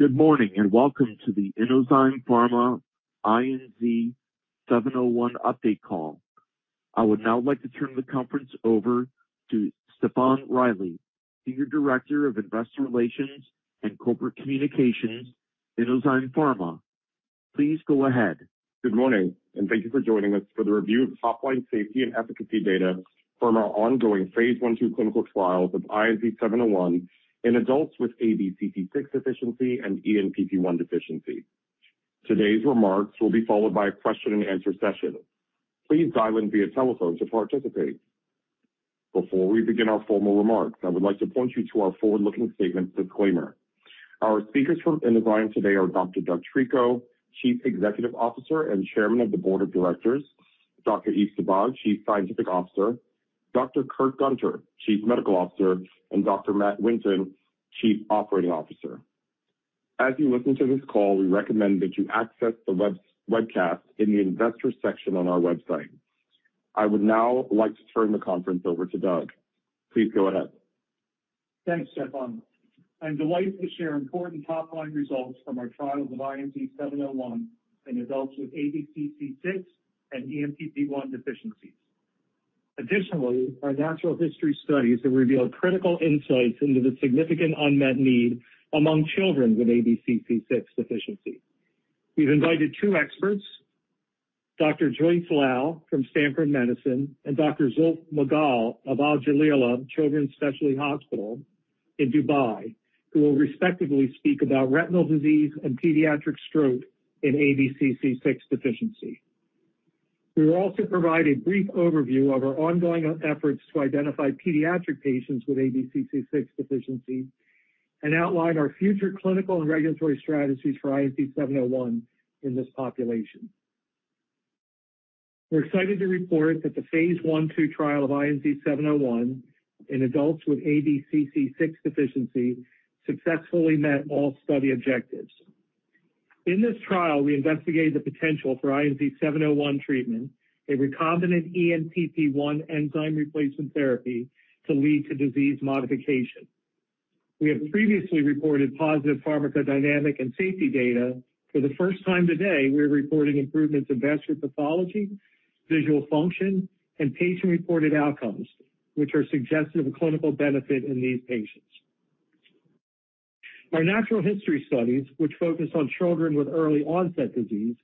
Good morning and welcome to the Inozyme Pharma INZ-701 update call. I would now like to turn the conference over to Stefan Riley, Senior Director of Investor Relations and Corporate Communications, Inozyme Pharma. Please go ahead. Good morning, and thank you for joining us for the review of top-line safety and efficacy data from our ongoing phase 1/2 clinical trials of INZ-701 in adults with ABCC6 deficiency and ENPP1 deficiency. Today's remarks will be followed by a question-and-answer session. Please dial in via telephone to participate. Before we begin our formal remarks, I would like to point you to our forward-looking statements disclaimer. Our speakers from Inozyme today are Dr. Doug Treco, Chief Executive Officer and Chairman of the Board of Directors, Dr. Yves Sabbagh, Chief Scientific Officer, Dr. Kurt Gunter, Chief Medical Officer, and Dr. Matt Winton, Chief Operating Officer. As you listen to this call, we recommend that you access the webcast in the Investors section on our website. I would now like to turn the conference over to Doug. Please go ahead. Thanks, Stefan. I'm delighted to share important top-line results from our trials of INZ-701 in adults with ABCC6 and ENPP1 deficiencies. Additionally, our natural history studies have revealed critical insights into the significant unmet need among children with ABCC6 deficiency. We've invited two experts, Dr. Joyce Liao from Stanford Medicine and Dr. Zulf Mughal of Al Jalila Children's Specialty Hospital in Dubai, who will respectively speak about retinal disease and pediatric stroke in ABCC6 deficiency. We will also provide a brief overview of our ongoing efforts to identify pediatric patients with ABCC6 deficiency and outline our future clinical and regulatory strategies for INZ-701 in this population. We're excited to report that the phase 1/2 trial of INZ-701 in adults with ABCC6 deficiency successfully met all study objectives. In this trial, we investigated the potential for INZ-701 treatment, a recombinant ENPP1 enzyme replacement therapy, to lead to disease modification. We have previously reported positive pharmacodynamic and safety data. For the first time today, we're reporting improvements in vascular pathology, visual function, and patient-reported outcomes, which are suggestive of clinical benefit in these patients. Our natural history studies, which focus on children with early-onset disease,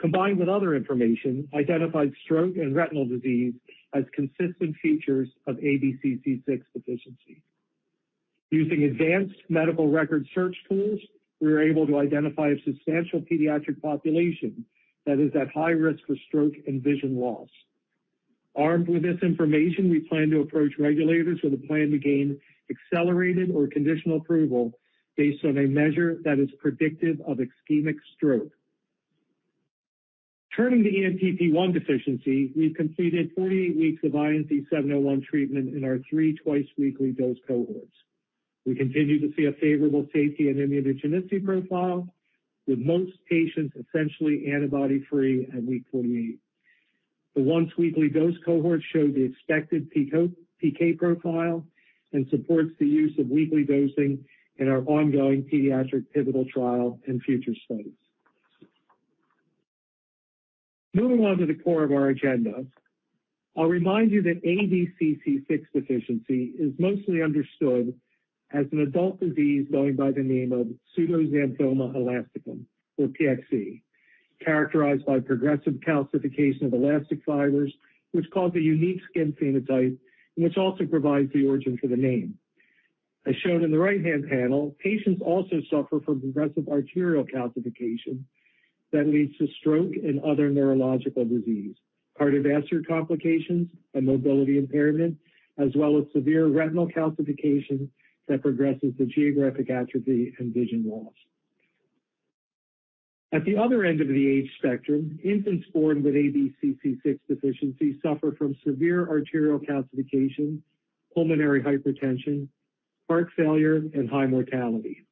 combined with other information, identified stroke and retinal disease as consistent features of ABCC6 deficiency. Using advanced medical record search tools, we were able to identify a substantial pediatric population that is at high risk for stroke and vision loss. Armed with this information, we plan to approach regulators with a plan to gain accelerated or conditional approval based on a measure that is predictive of ischemic stroke. Turning to ENPP1 deficiency, we've completed 48 weeks of INZ-701 treatment in our three twice-weekly dose cohorts. We continue to see a favorable safety and immunogenicity profile, with most patients essentially antibody-free at week 48. The once-weekly dose cohort showed the expected PK profile and supports the use of weekly dosing in our ongoing pediatric pivotal trial and future studies. Moving on to the core of our agenda, I'll remind you that ABCC6 deficiency is mostly understood as an adult disease known by the name of pseudoxanthoma elasticum, or PXE, characterized by progressive calcification of elastic fibers, which cause a unique skin phenotype and which also provides the origin for the name. As shown in the right-hand panel, patients also suffer from progressive arterial calcification that leads to stroke and other neurological disease, cardiovascular complications, and mobility impairment, as well as severe retinal calcification that progresses to geographic atrophy and vision loss. At the other end of the age spectrum, infants born with ABCC6 deficiency suffer from severe arterial calcification, pulmonary hypertension, heart failure, and high mortality.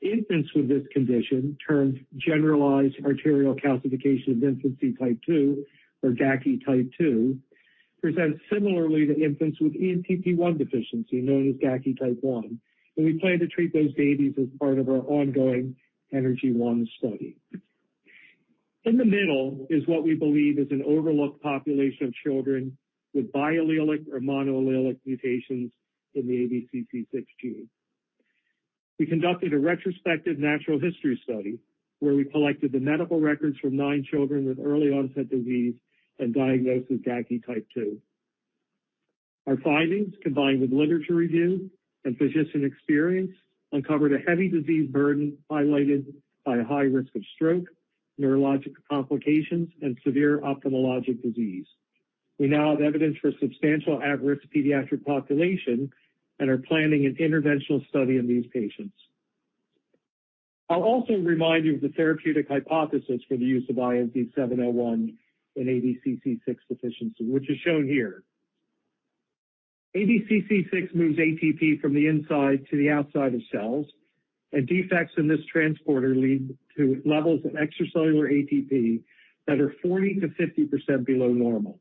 Infants with this condition, termed generalized arterial calcification of infancy type 2, or GACI type 2, present similarly to infants with ENPP1 deficiency, known as GACI type 1, and we plan to treat those babies as part of our ongoing ENERGY-1 study. In the middle is what we believe is an overlooked population of children with biallelic or monoallelic mutations in the ABCC6 gene. We conducted a retrospective natural history study where we collected the medical records from nine children with early-onset disease and diagnosed with GACI type 2. Our findings, combined with literature review and physician experience, uncovered a heavy disease burden highlighted by a high risk of stroke, neurological complications, and severe ophthalmologic disease. We now have evidence for a substantial at-risk pediatric population and are planning an interventional study in these patients. I'll also remind you of the therapeutic hypothesis for the use of INZ-701 in ABCC6 deficiency, which is shown here. ABCC6 moves ATP from the inside to the outside of cells, and defects in this transporter lead to levels of extracellular ATP that are 40%-50% below normal.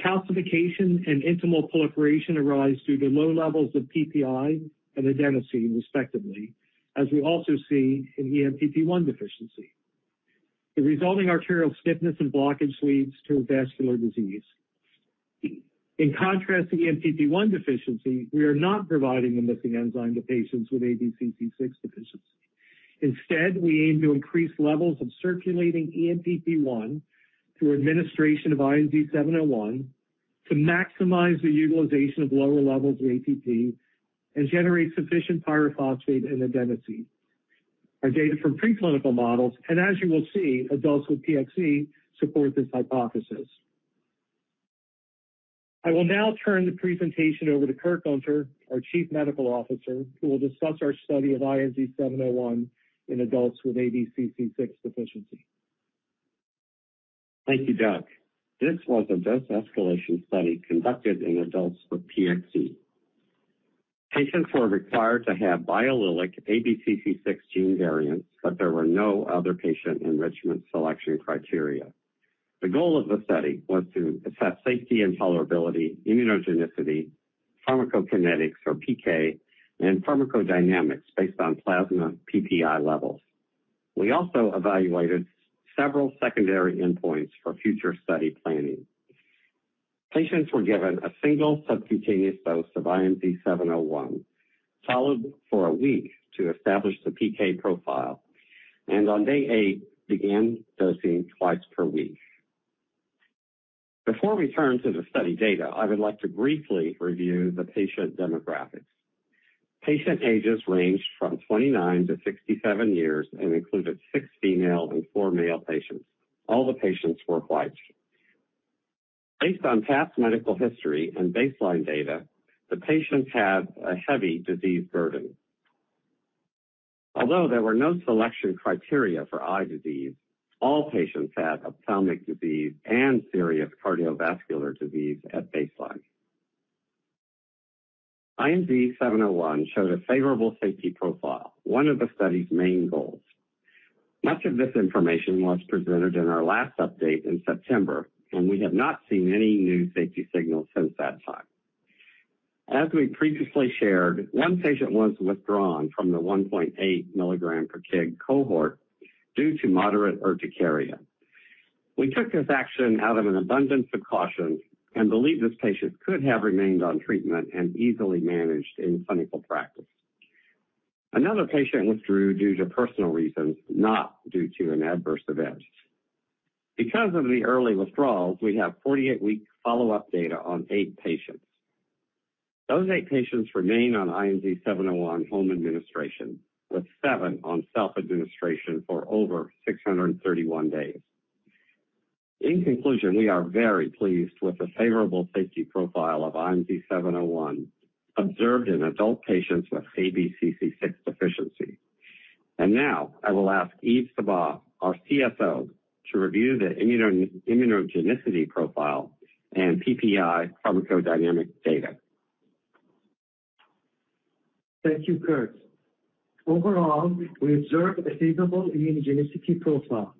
Calcification and intimal proliferation arise due to low levels of PPi and adenosine, respectively, as we also see in ENPP1 deficiency. The resulting arterial stiffness and blockage leads to vascular disease. In contrast to ENPP1 deficiency, we are not providing the missing enzyme to patients with ABCC6 deficiency. Instead, we aim to increase levels of circulating ENPP1 through administration of INZ-701 to maximize the utilization of lower levels of ATP and generate sufficient pyrophosphate and adenosine. Our data from preclinical models and, as you will see, adults with PXE support this hypothesis. I will now turn the presentation over to Kurt Gunter, our Chief Medical Officer, who will discuss our study of INZ-701 in adults with ABCC6 deficiency. Thank you, Doug. This was a dose escalation study conducted in adults with PXE. Patients were required to have biallelic ABCC6 gene variants, but there were no other patient enrichment selection criteria. The goal of the study was to assess safety and tolerability, immunogenicity, pharmacokinetics, or PK, and pharmacodynamics based on plasma PPi levels. We also evaluated several secondary endpoints for future study planning. Patients were given a single subcutaneous dose of INZ-701, followed for a week to establish the PK profile, and on day 8 began dosing twice per week. Before we turn to the study data, I would like to briefly review the patient demographics. Patient ages ranged from 29-67 years and included six female and four male patients. All the patients were white. Based on past medical history and baseline data, the patients had a heavy disease burden. Although there were no selection criteria for eye disease, all patients had ophthalmic disease and serious cardiovascular disease at baseline. INZ-701 showed a favorable safety profile, one of the study's main goals. Much of this information was presented in our last update in September, and we have not seen any new safety signals since that time. As we previously shared, one patient was withdrawn from the 1.8 milligram per kg cohort due to moderate urticaria. We took this action out of an abundance of caution and believed this patient could have remained on treatment and easily managed in clinical practice. Another patient withdrew due to personal reasons, not due to an adverse event. Because of the early withdrawals, we have 48-week follow-up data on eight patients. Those eight patients remain on INZ-701 home administration, with seven on self-administration for over 631 days. In conclusion, we are very pleased with the favorable safety profile of INZ-701 observed in adult patients with ABCC6 deficiency. Now I will ask Yves Sabbagh, our CSO, to review the immunogenicity profile and PPi pharmacodynamic data. Thank you, Kurt. Overall, we observed a favorable immunogenicity profile.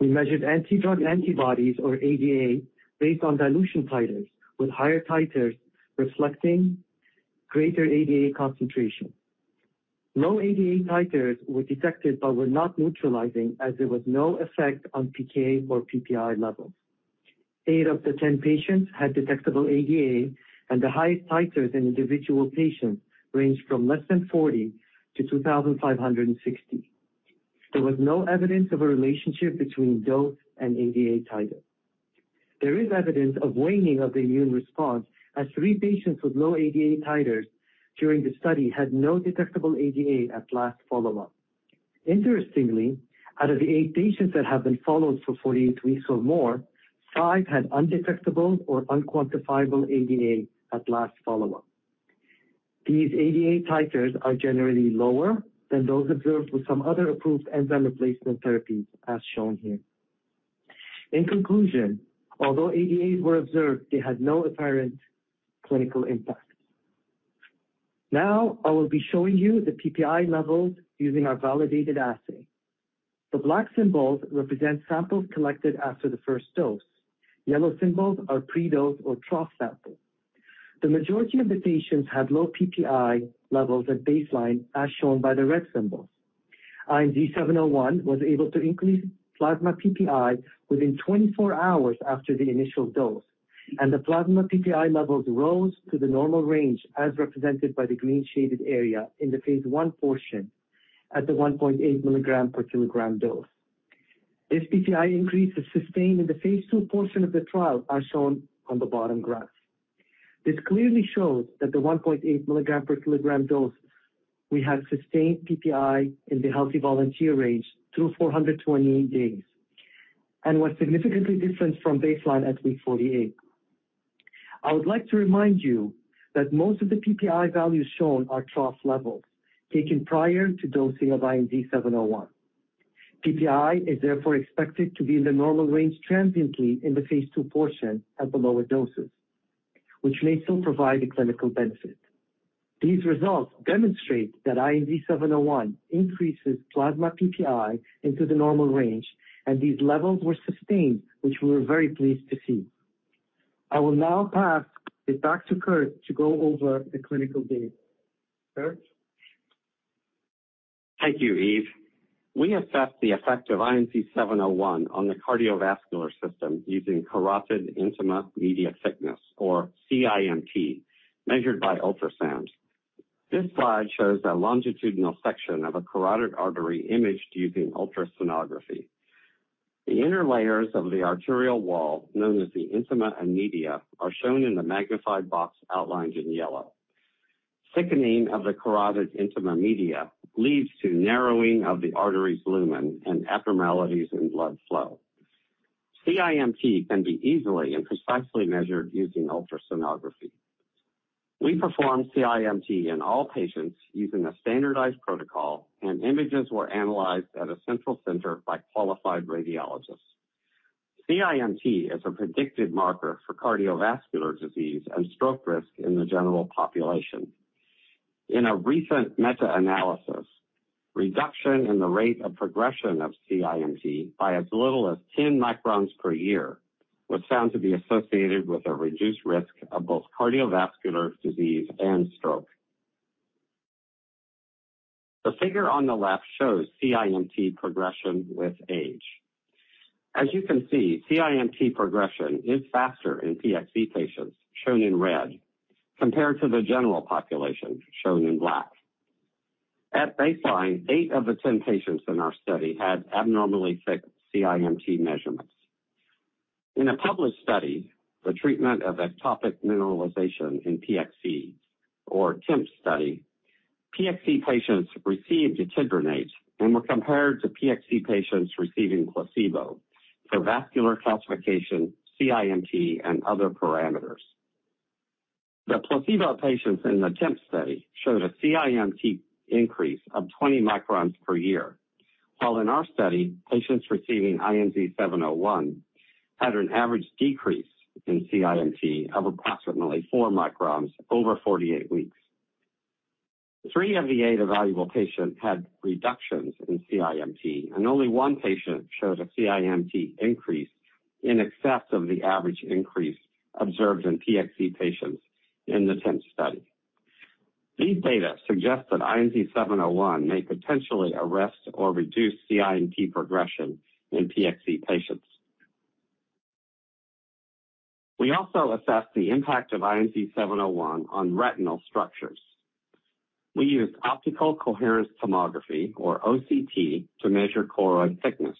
We measured antidrug antibodies, or ADA, based on dilution titers, with higher titers reflecting greater ADA concentration. Low ADA titers were detected but were not neutralizing, as there was no effect on PK or PPi levels. Eight of the patients had detectable ADA, and the highest titers in individual patients ranged from less than 40 to 2,560. There was no evidence of a relationship between dose and ADA titer. There is evidence of waning of the immune response, as three patients with low ADA titers during the study had no detectable ADA at last follow-up. Interestingly, out of the eight patients that have been followed for 48 weeks or more, five had undetectable or unquantifiable ADA at last follow-up. These ADA titers are generally lower than those observed with some other approved enzyme replacement therapies, as shown here. In conclusion, although ADAs were observed, they had no apparent clinical impact. Now I will be showing you the PPI levels using our validated assay. The black symbols represent samples collected after the first dose. Yellow symbols are pre-dose or trough samples. The majority of the patients had low PPI levels at baseline, as shown by the red symbols. INZ-701 was able to increase plasma PPI within 24 hours after the initial dose, and the plasma PPI levels rose to the normal range, as represented by the green-shaded area in the phase 1 portion at the 1.8 milligram per kilogram dose. This PPI increase was sustained in the phase 2 portion of the trial, as shown on the bottom graph. This clearly shows that the 1.8 milligram per kilogram dose, we had sustained PPi in the healthy volunteer range through 428 days and was significantly different from baseline at week 48. I would like to remind you that most of the PPi values shown are trough levels taken prior to dosing of INZ-701. PPi is therefore expected to be in the normal range transiently in the phase 2 portion at the lower doses, which may still provide a clinical benefit. These results demonstrate that INZ-701 increases plasma PPi into the normal range, and these levels were sustained, which we were very pleased to see. I will now pass it back to Kurt to go over the clinical data. Kurt? Thank you, Yves. We assessed the effect of INZ-701 on the cardiovascular system using carotid intima media thickness, or CIMT, measured by ultrasound. This slide shows a longitudinal section of a carotid artery imaged using ultrasonography. The inner layers of the arterial wall, known as the intima and media, are shown in the magnified box outlined in yellow. Thickening of the carotid intima media leads to narrowing of the artery's lumen and abnormalities in blood flow. CIMT can be easily and precisely measured using ultrasonography. We performed CIMT in all patients using a standardized protocol, and images were analyzed at a central center by qualified radiologists. CIMT is a predictive marker for cardiovascular disease and stroke risk in the general population. In a recent meta-analysis, reduction in the rate of progression of CIMT by as little as 10 microns per year was found to be associated with a reduced risk of both cardiovascular disease and stroke. The figure on the left shows CIMT progression with age. As you can see, CIMT progression is faster in PXE patients, shown in red, compared to the general population, shown in black. At baseline, eight of the 10 patients in our study had abnormally thick CIMT measurements. In a published study, the Treatment of Ectopic Mineralization in PXE, or TEMP study, PXE patients received etidronate and were compared to PXE patients receiving placebo for vascular calcification, CIMT, and other parameters. The placebo patients in the TIMPS study showed a CIMT increase of 20 microns per year, while in our study, patients receiving INZ-701 had an average decrease in CIMT of approximately 4 microns over 48 weeks. Three of the eight evaluable patients had reductions in CIMT, and only one patient showed a CIMT increase in excess of the average increase observed in PXE patients in the TIMPS study. These data suggest that INZ-701 may potentially arrest or reduce CIMT progression in PXE patients. We also assessed the impact of INZ-701 on retinal structures. We used optical coherence tomography, or OCT, to measure choroid thickness.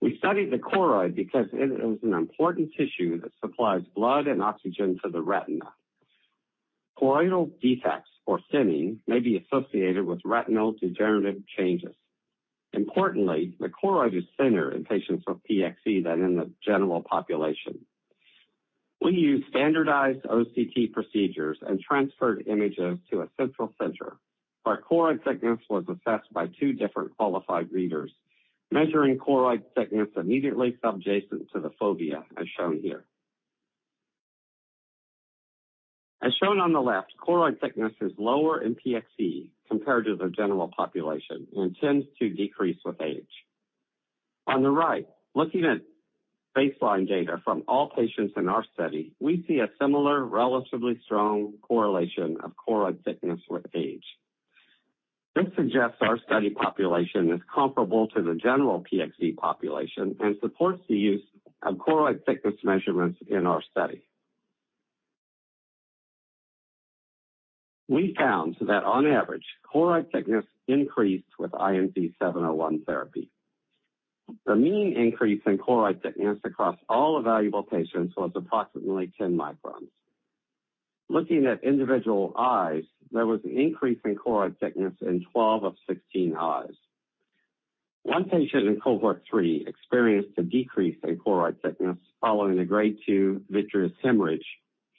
We studied the choroid because it is an important tissue that supplies blood and oxygen to the retina. Choroidal defects, or thinning, may be associated with retinal degenerative changes. Importantly, the choroid is thinner in patients with PXE than in the general population. We used standardized OCT procedures and transferred images to a central center. Our choroid thickness was assessed by two different qualified readers, measuring choroid thickness immediately subjacent to the fovea, as shown here. As shown on the left, choroid thickness is lower in PXE compared to the general population and tends to decrease with age. On the right, looking at baseline data from all patients in our study, we see a similar, relatively strong correlation of choroid thickness with age. This suggests our study population is comparable to the general PXE population and supports the use of choroid thickness measurements in our study. We found that, on average, choroid thickness increased with INZ-701 therapy. The mean increase in choroid thickness across all evaluable patients was approximately 10 microns. Looking at individual eyes, there was an increase in choroid thickness in 12 of 16 eyes. One patient in cohort 3 experienced a decrease in choroid thickness following a grade 2 vitreous hemorrhage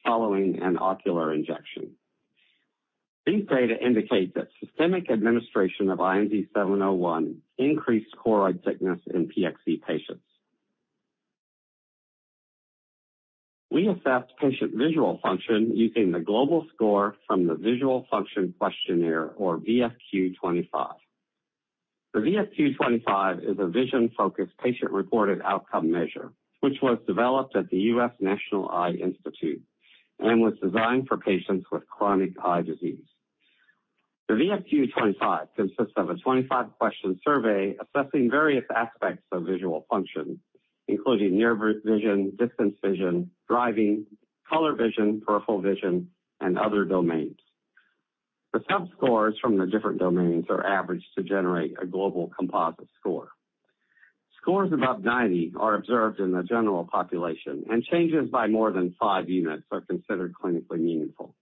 following an ocular injection. These data indicate that systemic administration of INZ-701 increased choroid thickness in PXE patients. We assessed patient visual function using the global score from the Visual Function Questionnaire, or VFQ-25. The VFQ-25 is a vision-focused patient-reported outcome measure, which was developed at the US National Eye Institute and was designed for patients with chronic eye disease. The VFQ-25 consists of a 25-question survey assessing various aspects of visual function, including near vision, distance vision, driving, color vision, peripheral vision, and other domains. The subscores from the different domains are averaged to generate a global composite score. Scores above 90 are observed in the general population, and changes by more than 5 units are considered clinically meaningful.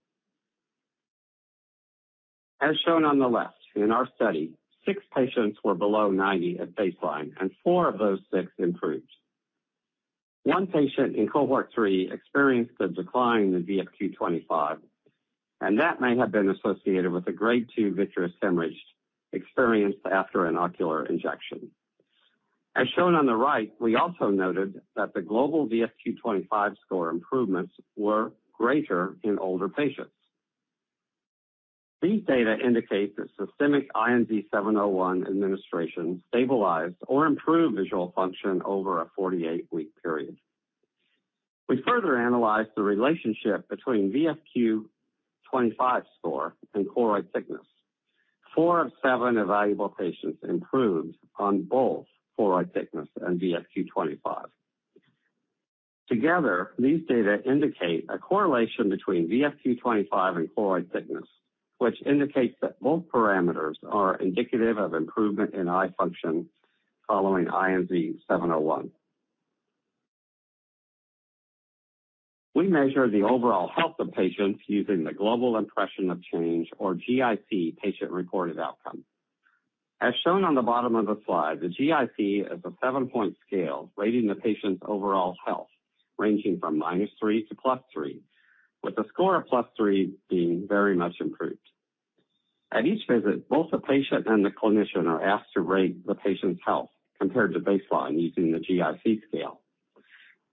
As shown on the left, in our study, six patients were below 90 at baseline, and four of those six improved. One patient in cohort three experienced a decline in the VFQ-25, and that may have been associated with a grade two vitreous hemorrhage experienced after an ocular injection. As shown on the right, we also noted that the global VFQ-25 score improvements were greater in older patients. These data indicate that systemic INZ-701 administration stabilized or improved visual function over a 48-week period. We further analyzed the relationship between VFQ-25 score and choroid thickness. Four of seven evaluable patients improved on both choroid thickness and VFQ-25. Together, these data indicate a correlation between VFQ-25 and choroid thickness, which indicates that both parameters are indicative of improvement in eye function following INZ-701. We measure the overall health of patients using the global impression of change, or GIC, patient-reported outcome. As shown on the bottom of the slide, the GIC is a 7-point scale rating the patient's overall health, ranging from -3 to +3, with a score of +3 being very much improved. At each visit, both the patient and the clinician are asked to rate the patient's health compared to baseline using the GIC scale.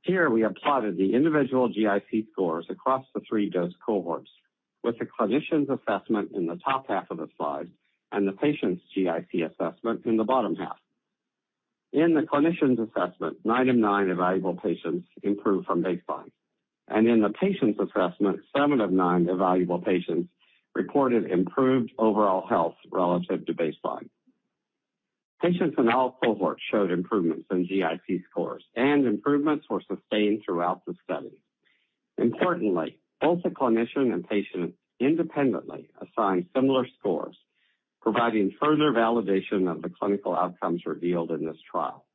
Here, we plotted the individual GIC scores across the 3-dose cohorts, with the clinician's assessment in the top half of the slide and the patient's GIC assessment in the bottom half. In the clinician's assessment, nine of nine evaluable patients improved from baseline, and in the patient's assessment, seven of nine evaluable patients reported improved overall health relative to baseline. Patients in all cohorts showed improvements in GIC scores, and improvements were sustained throughout the study. Importantly, both the clinician and patient independently assigned similar scores, providing further validation of the clinical outcomes revealed in this trial.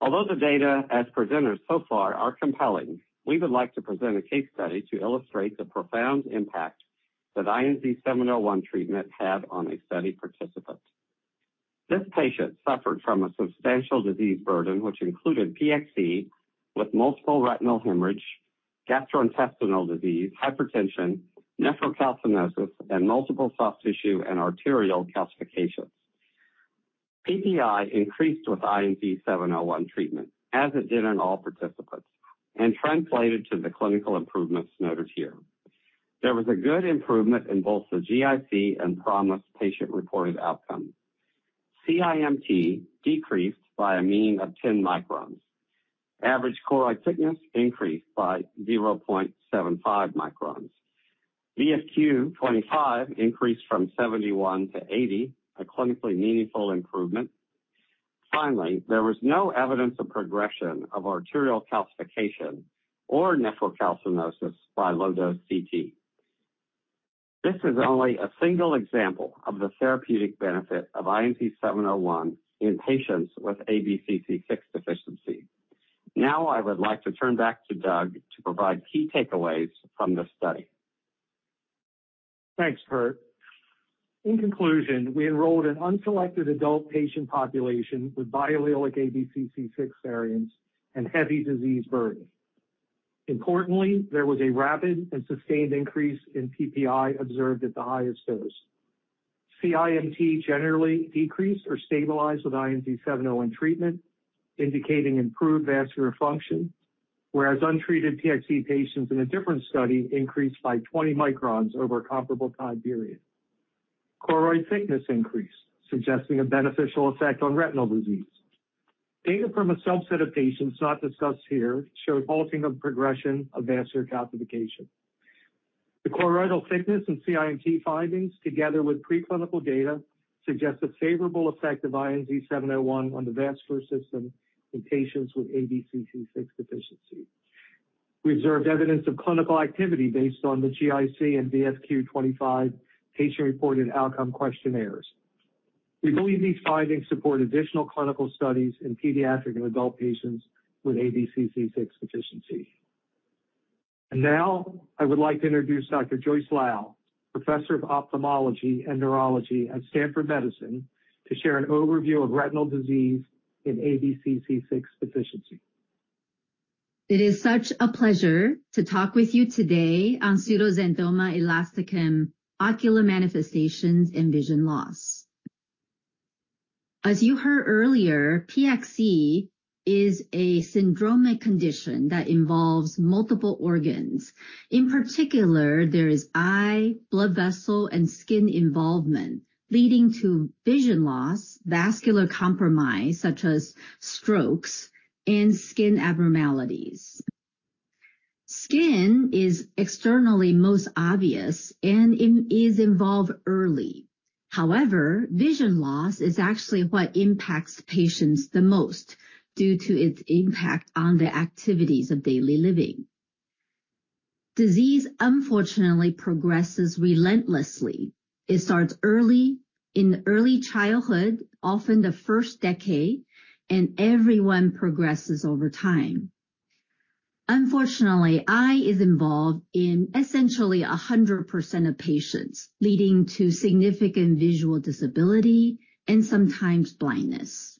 Although the data as presented so far are compelling, we would like to present a case study to illustrate the profound impact that INZ-701 treatment had on a study participant. This patient suffered from a substantial disease burden, which included PXE with multiple retinal hemorrhage, gastrointestinal disease, hypertension, nephrocalcinosis, and multiple soft tissue and arterial calcifications. PPi increased with INZ-701 treatment, as it did in all participants, and translated to the clinical improvements noted here. There was a good improvement in both the GIC and PROMIS patient-reported outcomes. CIMT decreased by a mean of 10 microns. Average choroid thickness increased by 0.75 microns. VFQ-25 increased from 71 to 80, a clinically meaningful improvement. Finally, there was no evidence of progression of arterial calcification or nephrocalcinosis by low-dose CT. This is only a single example of the therapeutic benefit of INZ-701 in patients with ABCC6 deficiency. Now I would like to turn back to Doug to provide key takeaways from this study. Thanks, Kurt. In conclusion, we enrolled an unselected adult patient population with biallelic ABCC6 variants and heavy disease burden. Importantly, there was a rapid and sustained increase in PPi observed at the highest dose. CIMT generally decreased or stabilized with INZ-701 treatment, indicating improved vascular function, whereas untreated PXE patients in a different study increased by 20 microns over a comparable time period. Choroid thickness increased, suggesting a beneficial effect on retinal disease. Data from a subset of patients not discussed here showed halting of progression of vascular calcification. The choroidal thickness and CIMT findings, together with preclinical data, suggest a favorable effect of INZ-701 on the vascular system in patients with ABCC6 deficiency. We observed evidence of clinical activity based on the GIC and VFQ-25 patient-reported outcome questionnaires. We believe these findings support additional clinical studies in pediatric and adult patients with ABCC6 deficiency. And now I would like to introduce Dr. Joyce Lau, Professor of Ophthalmology and Neurology at Stanford Medicine, to share an overview of retinal disease in ABCC6 deficiency. It is such a pleasure to talk with you today on pseudoxanthoma elasticum ocular manifestations and vision loss. As you heard earlier, PXE is a syndromic condition that involves multiple organs. In particular, there is eye, blood vessel, and skin involvement, leading to vision loss, vascular compromise such as strokes, and skin abnormalities. Skin is externally most obvious and involved early. However, vision loss is actually what impacts patients the most due to its impact on the activities of daily living. Disease, unfortunately, progresses relentlessly. It starts early, in early childhood, often the first decade, and everyone progresses over time. Unfortunately, eye is involved in essentially 100% of patients, leading to significant visual disability and sometimes blindness.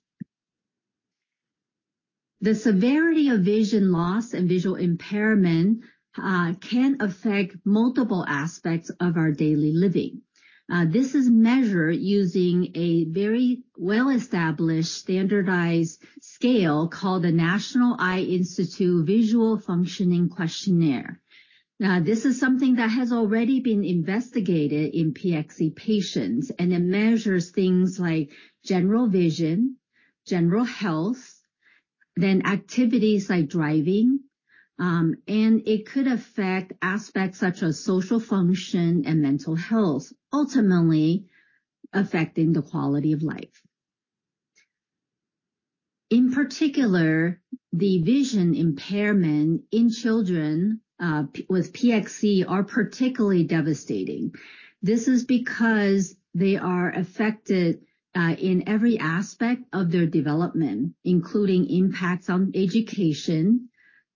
The severity of vision loss and visual impairment can affect multiple aspects of our daily living. This is measured using a very well-established standardized scale called the National Eye Institute Visual Functioning Questionnaire. Now, this is something that has already been investigated in PXE patients, and it measures things like general vision, general health, then activities like driving, and it could affect aspects such as social function and mental health, ultimately affecting the quality of life. In particular, the vision impairment in children with PXE is particularly devastating. This is because they are affected in every aspect of their development, including impacts on education,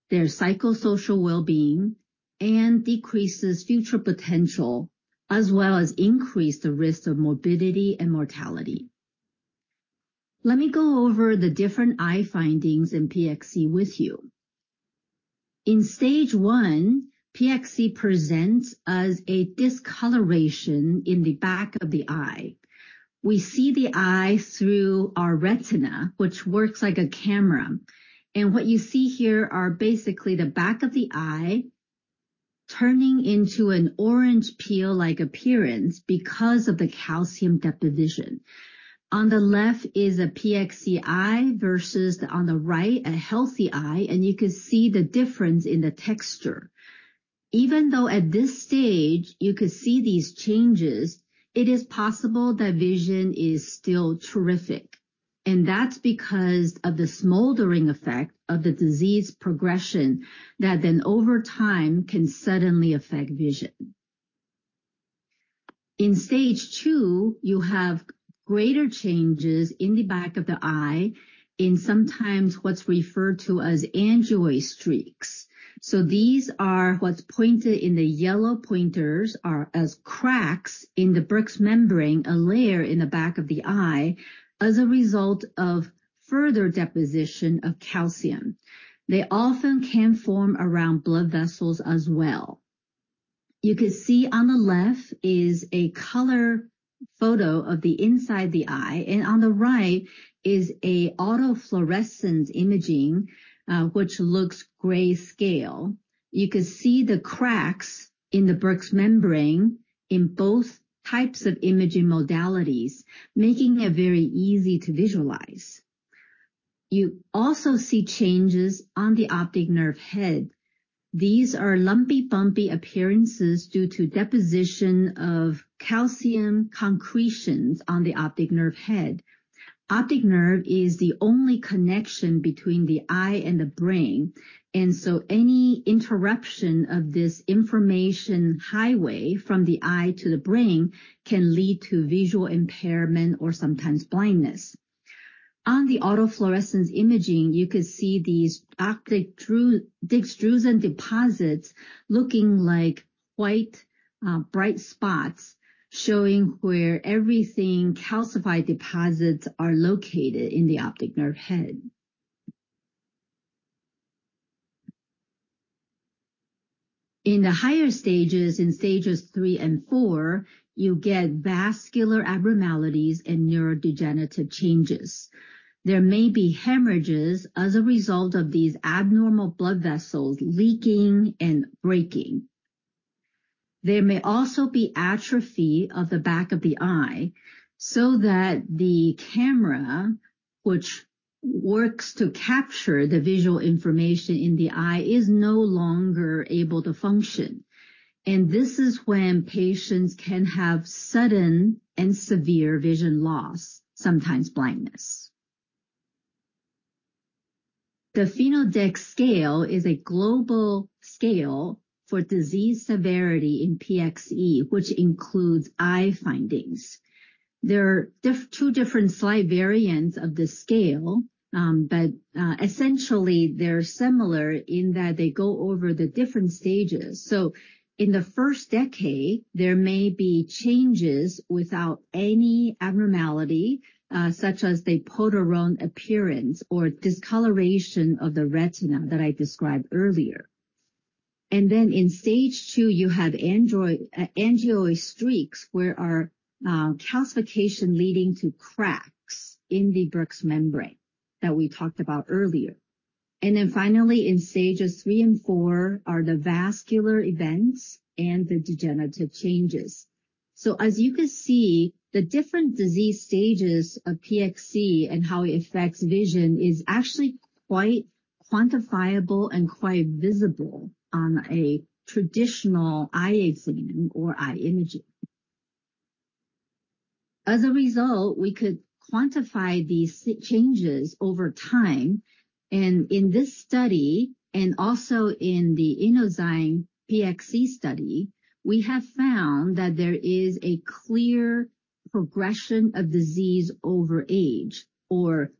their psychosocial well-being, and decreases future potential, as well as increases the risk of morbidity and mortality. Let me go over the different eye findings in PXE with you. In stage 1, PXE presents as a discoloration in the back of the eye. We see the eye through our retina, which works like a camera. What you see here is basically the back of the eye turning into an orange peel-like appearance because of the calcium deposition. On the left is a PXE eye versus on the right a healthy eye, and you can see the difference in the texture. Even though at this stage you can see these changes, it is possible that vision is still terrific. That's because of the smoldering effect of the disease progression that then, over time, can suddenly affect vision. In stage 2, you have greater changes in the back of the eye in sometimes what's referred to as angioid streaks. So these are what's pointed in the yellow pointers are as cracks in the Bruch's membrane, a layer in the back of the eye, as a result of further deposition of calcium. They often can form around blood vessels as well. You can see on the left is a color photo of the inside of the eye, and on the right is autofluorescence imaging, which looks grayscale. You can see the cracks in the Bruch's membrane in both types of imaging modalities, making it very easy to visualize. You also see changes on the optic nerve head. These are lumpy-bumpy appearances due to deposition of calcium concretions on the optic nerve head. Optic nerve is the only connection between the eye and the brain, and so any interruption of this information highway from the eye to the brain can lead to visual impairment or sometimes blindness. On the autofluorescence imaging, you can see these optic disc drusen deposits looking like white, bright spots, showing where the calcified deposits are located in the optic nerve head. In the higher stages, in stages three and four, you get vascular abnormalities and neurodegenerative changes. There may be hemorrhages as a result of these abnormal blood vessels leaking and breaking. There may also be atrophy of the back of the eye, so that the camera, which works to capture the visual information in the eye, is no longer able to function. This is when patients can have sudden and severe vision loss, sometimes blindness. The PHENODEX scale is a global scale for disease severity in PXE, which includes eye findings. There are two different slight variants of this scale, but essentially they're similar in that they go over the different stages. In the first decade, there may be changes without any abnormality, such as the peau d'orange appearance or discoloration of the retina that I described earlier. In stage two, you have angioid streaks, where there are calcifications leading to cracks in the Bruch's membrane that we talked about earlier. In stages three and four, are the vascular events and the degenerative changes. So as you can see, the different disease stages of PXE and how it affects vision are actually quite quantifiable and quite visible on a traditional eye exam or eye imaging. As a result, we could quantify these changes over time. And in this study, and also in the Inozyme PXE study, we have found that there is a clear progression of disease over age. Or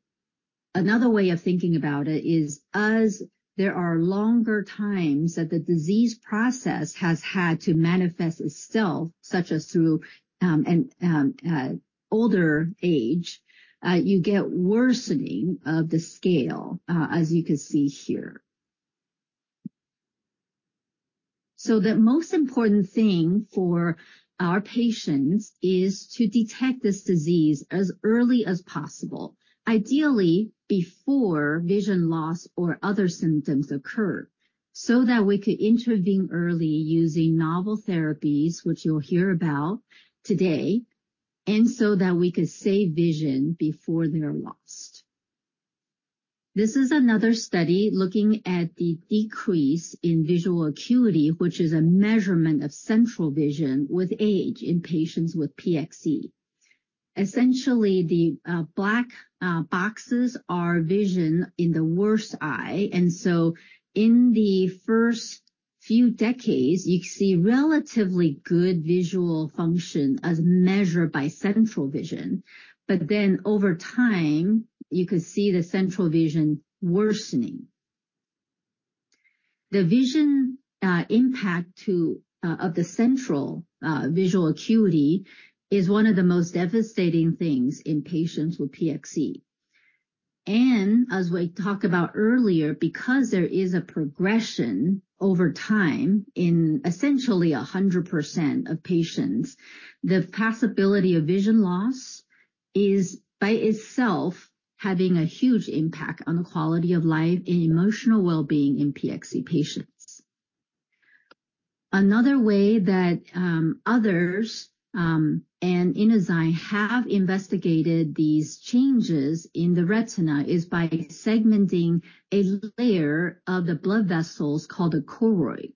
another way of thinking about it is, as there are longer times that the disease process has had to manifest itself, such as through older age, you get worsening of the scale, as you can see here. The most important thing for our patients is to detect this disease as early as possible, ideally before vision loss or other symptoms occur, so that we could intervene early using novel therapies, which you'll hear about today, and so that we could save vision before they're lost. This is another study looking at the decrease in visual acuity, which is a measurement of central vision with age in patients with PXE. Essentially, the black boxes are vision in the worst eye. In the first few decades, you can see relatively good visual function as measured by central vision. Then over time, you could see the central vision worsening. The vision impact of the central visual acuity is one of the most devastating things in patients with PXE. As we talked about earlier, because there is a progression over time in essentially 100% of patients, the possibility of vision loss is by itself having a huge impact on the quality of life and emotional well-being in PXE patients. Another way that others and Inozyme have investigated these changes in the retina is by segmenting a layer of the blood vessels called the choroid.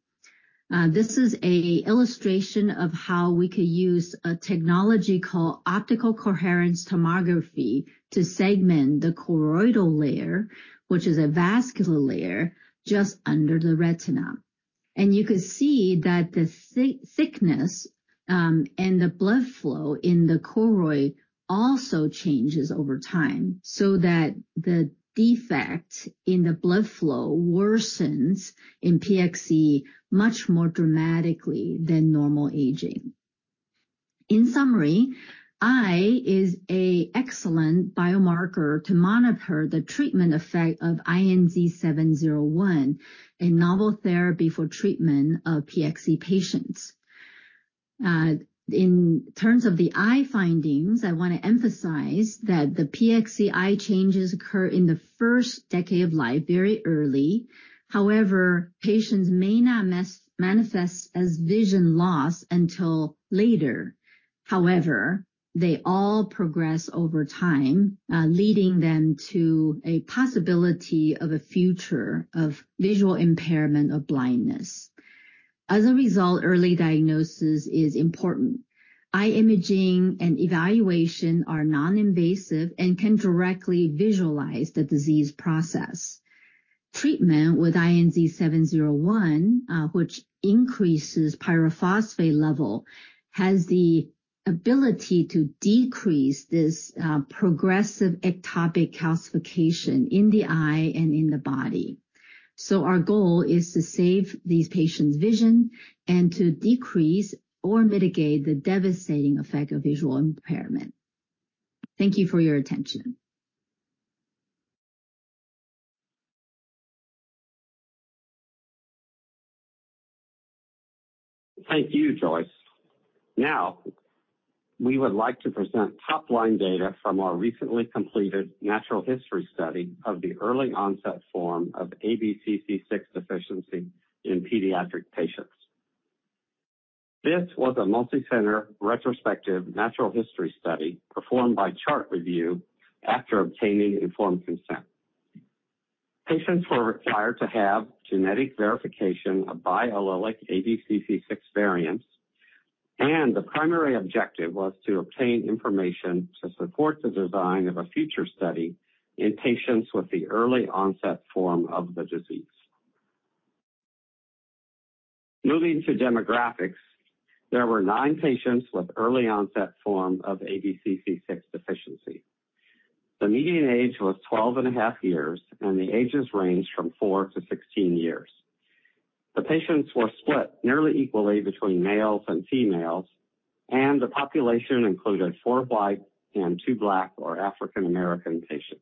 This is an illustration of how we could use a technology called optical coherence tomography to segment the choroidal layer, which is a vascular layer, just under the retina. You can see that the thickness and the blood flow in the choroid also changes over time, so that the defect in the blood flow worsens in PXE much more dramatically than normal aging. In summary, the eye is an excellent biomarker to monitor the treatment effect of INZ-701, a novel therapy for treatment of PXE patients. In terms of the eye findings, I want to emphasize that the PXE eye changes occur in the first decade of life, very early. However, patients may not manifest as vision loss until later. However, they all progress over time, leading them to a possibility of a future of visual impairment or blindness. As a result, early diagnosis is important. Eye imaging and evaluation are non-invasive and can directly visualize the disease process. Treatment with INZ-701, which increases pyrophosphate levels, has the ability to decrease this progressive ectopic calcification in the eye and in the body. So our goal is to save these patients' vision and to decrease or mitigate the devastating effect of visual impairment. Thank you for your attention. Thank you, Joyce. Now, we would like to present top-line data from our recently completed natural history study of the early-onset form of ABCC6 deficiency in pediatric patients. This was a multicenter retrospective natural history study performed by chart review after obtaining informed consent. Patients were required to have genetic verification of biallelic ABCC6 variants, and the primary objective was to obtain information to support the design of a future study in patients with the early-onset form of the disease. Moving to demographics, there were nine patients with early-onset form of ABCC6 deficiency. The median age was 12.5 years, and the ages ranged from four to 16 years. The patients were split nearly equally between males and females, and the population included four white and two Black or African American patients.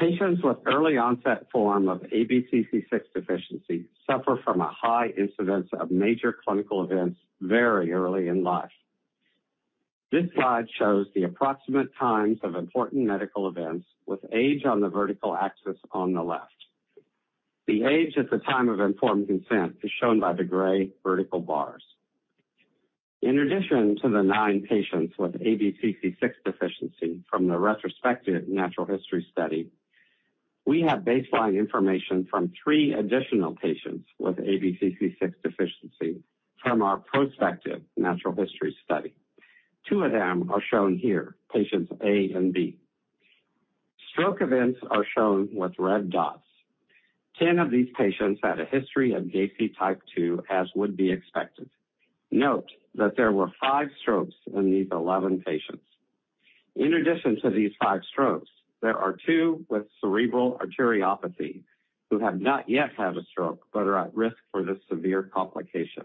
Patients with early-onset form of ABCC6 deficiency suffer from a high incidence of major clinical events very early in life. This slide shows the approximate times of important medical events with age on the vertical axis on the left. The age at the time of informed consent is shown by the gray vertical bars. In addition to the nine patients with ABCC6 deficiency from the retrospective natural history study, we have baseline information from three additional patients with ABCC6 deficiency from our prospective natural history study. Two of them are shown here, patients A and B. Stroke events are shown with red dots. 10 of these patients had a history of GACI type two, as would be expected. Note that there were five strokes in these 11 patients. In addition to these five strokes, there are two with cerebral arteriopathy who have not yet had a stroke but are at risk for this severe complication.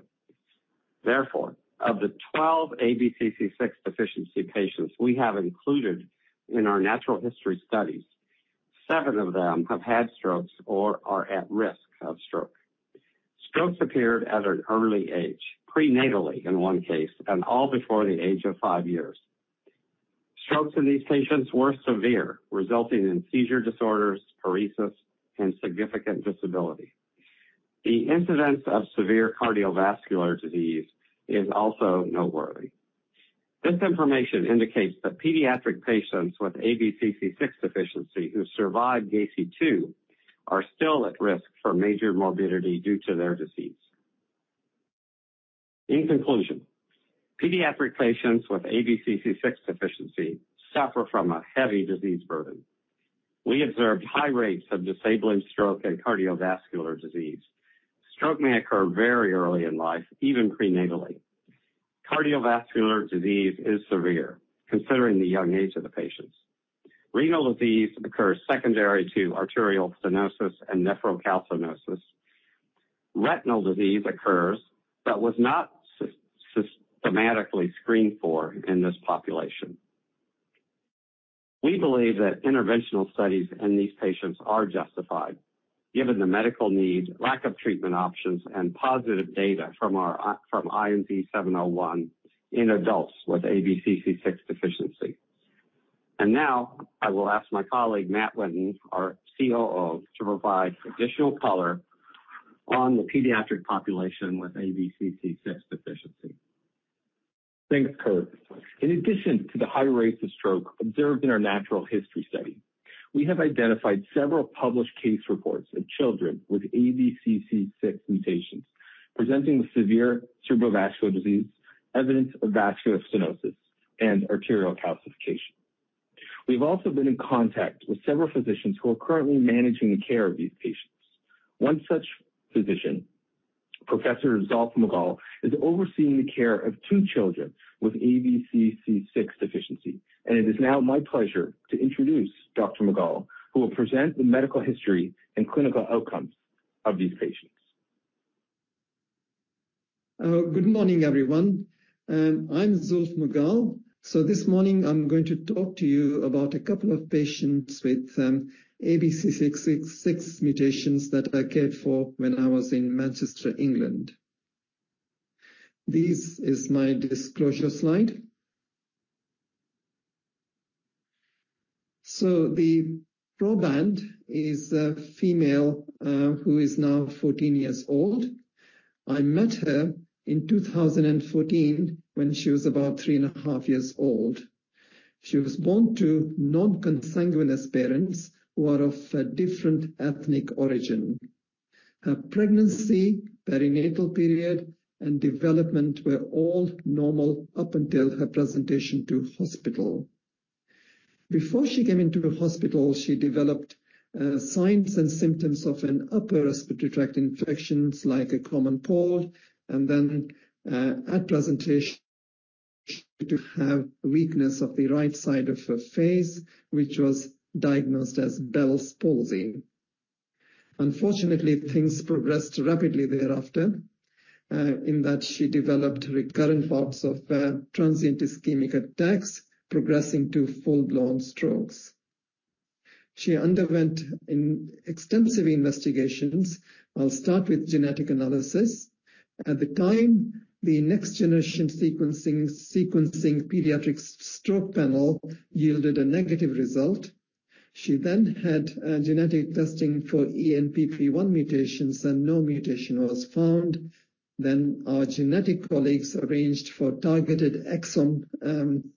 Therefore, of the 12 ABCC6 deficiency patients we have included in our natural history studies, seven of them have had strokes or are at risk of stroke. Strokes appeared at an early age, prenatally in 1 case, and all before the age of five years. Strokes in these patients were severe, resulting in seizure disorders, paresis, and significant disability. The incidence of severe cardiovascular disease is also noteworthy. This information indicates that pediatric patients with ABCC6 deficiency who survive GACI 2 are still at risk for major morbidity due to their disease. In conclusion, pediatric patients with ABCC6 deficiency suffer from a heavy disease burden. We observed high rates of disabling stroke and cardiovascular disease. Stroke may occur very early in life, even prenatally. Cardiovascular disease is severe, considering the young age of the patients. Renal disease occurs secondary to arterial stenosis and nephrocalcinosis. Retinal disease occurs but was not systematically screened for in this population. We believe that interventional studies in these patients are justified, given the medical need, lack of treatment options, and positive data from INZ-701 in adults with ABCC6 deficiency. Now I will ask my colleague, Matt Winton, our COO, to provide additional color on the pediatric population with ABCC6 deficiency. Thanks, Kurt. In addition to the high rates of stroke observed in our natural history study, we have identified several published case reports of children with ABCC6 mutations presenting with severe cerebrovascular disease, evidence of vascular stenosis, and arterial calcification. We've also been in contact with several physicians who are currently managing the care of these patients. One such physician, Professor Zulf Magal, is overseeing the care of two children with ABCC6 deficiency, and it is now my pleasure to introduce Dr. Magal, who will present the medical history and clinical outcomes of these patients. Good morning, everyone. I'm Zulf Magal. So this morning, I'm going to talk to you about a couple of patients with ABCC6 mutations that I cared for when I was in Manchester, England. This is my disclosure slide. So the proband is a female who is now 14 years old. I met her in 2014 when she was about three and a half years old. She was born to non-consanguineous parents who are of a different ethnic origin. Her pregnancy, perinatal period, and development were all normal up until her presentation to hospital. Before she came into hospital, she developed signs and symptoms of an upper respiratory tract infection like a common cold, and then at presentation, she had weakness of the right side of her face, which was diagnosed as Bell's palsy. Unfortunately, things progressed rapidly thereafter in that she developed recurrent bouts of transient ischemic attacks progressing to full-blown strokes. She underwent extensive investigations. I'll start with genetic analysis. At the time, the next-generation sequencing pediatric stroke panel yielded a negative result. She then had genetic testing for ENPP1 mutations, and no mutation was found. Then our genetic colleagues arranged for targeted exome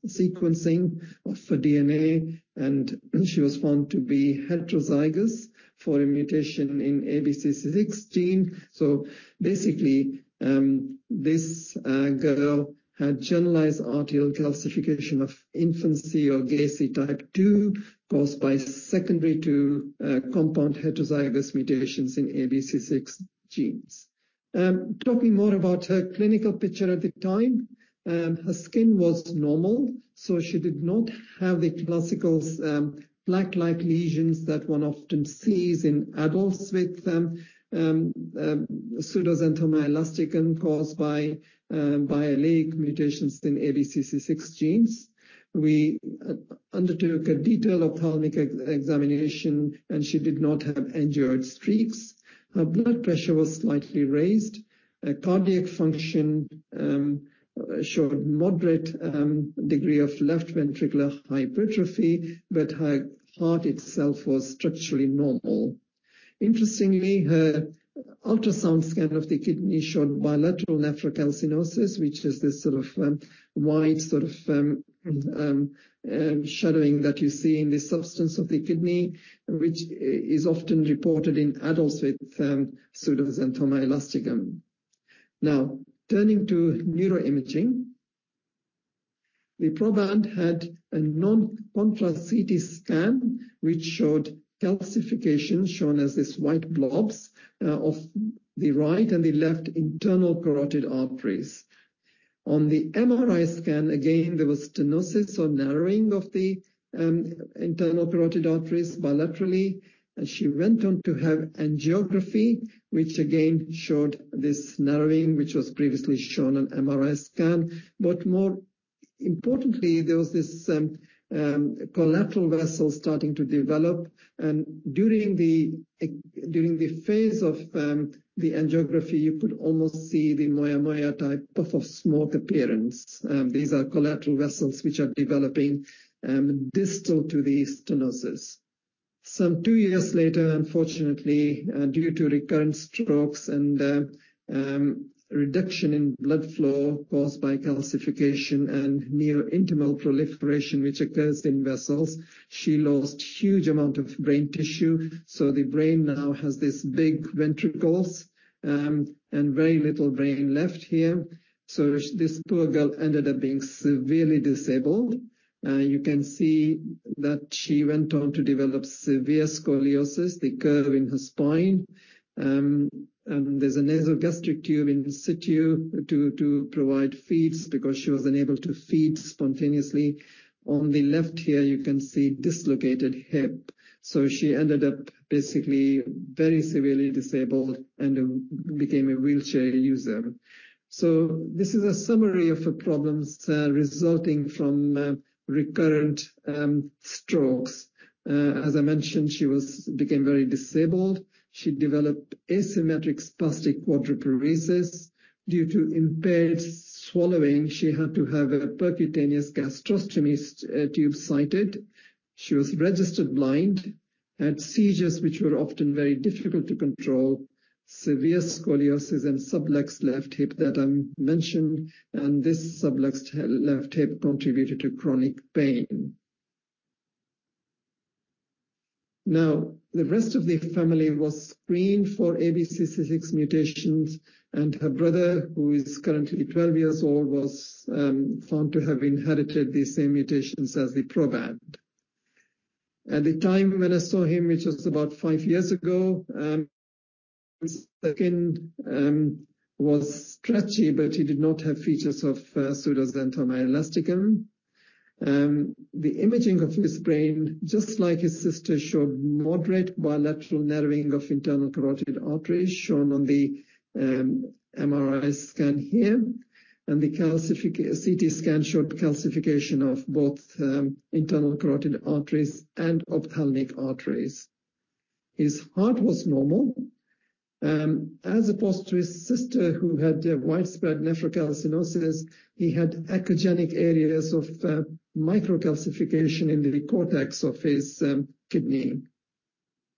sequencing for DNA, and she was found to be heterozygous for a mutation in ABCC6 gene. So basically, this girl had generalized arterial calcification of infancy or GACI type 2 caused by secondary to compound heterozygous mutations in ABCC6 genes. Talking more about her clinical picture at the time, her skin was normal, so she did not have the classical plaque-like lesions that one often sees in adults with pseudoxanthoma elasticum caused by biallelic mutations in ABCC6 genes. We undertook a detailed ophthalmic examination, and she did not have angioid streaks. Her blood pressure was slightly raised. Cardiac function showed moderate degree of left ventricular hypertrophy, but her heart itself was structurally normal. Interestingly, her ultrasound scan of the kidney showed bilateral nephrocalcinosis, which is this sort of white sort of shadowing that you see in the substance of the kidney, which is often reported in adults with pseudoxanthoma elasticum. Now, turning to neuroimaging, the proband had a non-contrast CT scan, which showed calcification shown as these white blobs of the right and the left internal carotid arteries. On the MRI scan, again, there was stenosis or narrowing of the internal carotid arteries bilaterally. She went on to have angiography, which again showed this narrowing, which was previously shown on MRI scan. But more importantly, there was this collateral vessel starting to develop. During the phase of the angiography, you could almost see the Moyamoya-type puff of smoke appearance. These are collateral vessels which are developing distal to the stenosis. Some 2 years later, unfortunately, due to recurrent strokes and reduction in blood flow caused by calcification and near-intimal proliferation, which occurs in vessels, she lost a huge amount of brain tissue. So the brain now has these big ventricles and very little brain left here. So this poor girl ended up being severely disabled. You can see that she went on to develop severe scoliosis, the curve in her spine. There's a nasogastric tube in situ to provide feeds because she was unable to feed spontaneously. On the left here, you can see a dislocated hip. So she ended up basically very severely disabled and became a wheelchair user. This is a summary of the problems resulting from recurrent strokes. As I mentioned, she became very disabled. She developed asymmetric spastic quadriparesis. Due to impaired swallowing, she had to have a percutaneous gastrostomy tube sited. She was registered blind, had seizures which were often very difficult to control, severe scoliosis, and subluxed left hip that I mentioned, and this subluxed left hip contributed to chronic pain. Now, the rest of the family was screened for ABCC6 mutations, and her brother, who is currently 12 years old, was found to have inherited the same mutations as the proband. At the time when I saw him, which was about five years ago, his skin was stretchy, but he did not have features of pseudoxanthoma elasticum. The imaging of his brain, just like his sister, showed moderate bilateral narrowing of internal carotid arteries shown on the MRI scan here, and the CT scan showed calcification of both internal carotid arteries and ophthalmic arteries. His heart was normal. As opposed to his sister who had widespread nephrocalcinosis, he had echogenic areas of microcalcification in the cortex of his kidney.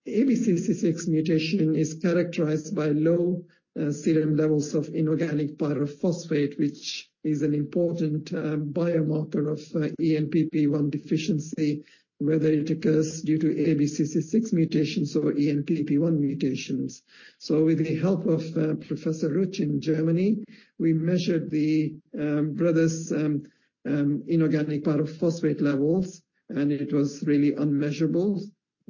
ABCC6 mutation is characterized by low serum levels of inorganic pyrophosphate, which is an important biomarker of ENPP1 deficiency, whether it occurs due to ABCC6 mutations or ENPP1 mutations. So with the help of Professor Rutsch in Germany, we measured the brother's inorganic pyrophosphate levels, and it was really unmeasurable,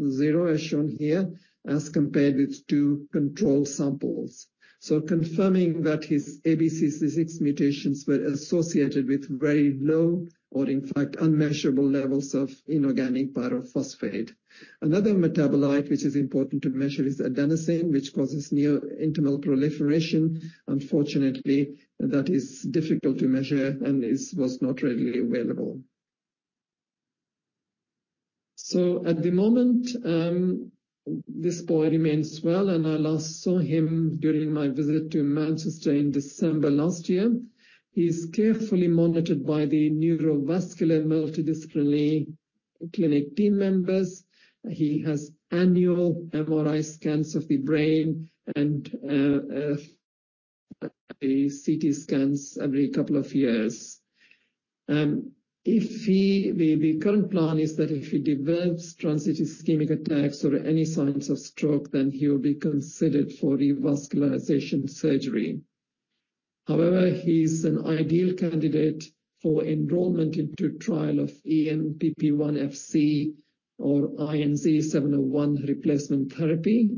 zero as shown here, as compared with 2 control samples. So confirming that his ABCC6 mutations were associated with very low or, in fact, unmeasurable levels of inorganic pyrophosphate. Another metabolite which is important to measure is adenosine, which causes near-intimal proliferation. Unfortunately, that is difficult to measure and was not readily available. So at the moment, this boy remains well, and I last saw him during my visit to Manchester in December last year. He's carefully monitored by the neurovascular multidisciplinary clinic team members. He has annual MRI scans of the brain and the CT scans every couple of years. The current plan is that if he develops transient ischemic attacks or any signs of stroke, then he will be considered for revascularization surgery. However, he's an ideal candidate for enrollment into trial of ENPP1-Fc or INZ-701 replacement therapy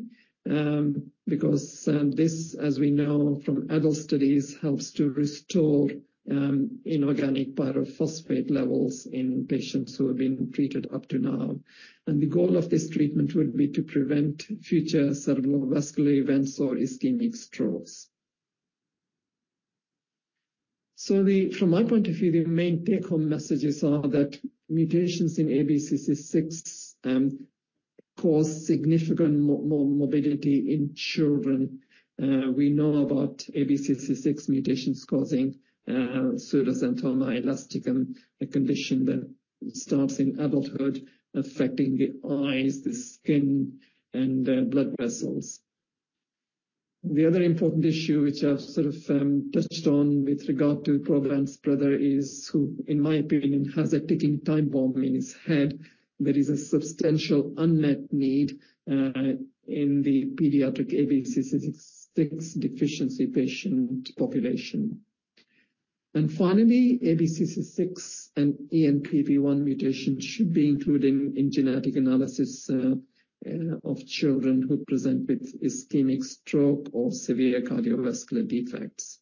because this, as we know from adult studies, helps to restore inorganic pyrophosphate levels in patients who have been treated up to now. The goal of this treatment would be to prevent future cerebrovascular events or ischemic strokes. So from my point of view, the main take-home messages are that mutations in ABCC6 cause significant morbidity in children. We know about ABCC6 mutations causing pseudoxanthoma elasticum, a condition that starts in adulthood affecting the eyes, the skin, and blood vessels. The other important issue which I've sort of touched on with regard to the proband's brother is who, in my opinion, has a ticking time bomb in his head. There is a substantial unmet need in the pediatric ABCC6 deficiency patient population. And finally, ABCC6 and ENPP1 mutations should be included in genetic analysis of children who present with ischemic stroke or severe cardiovascular defects.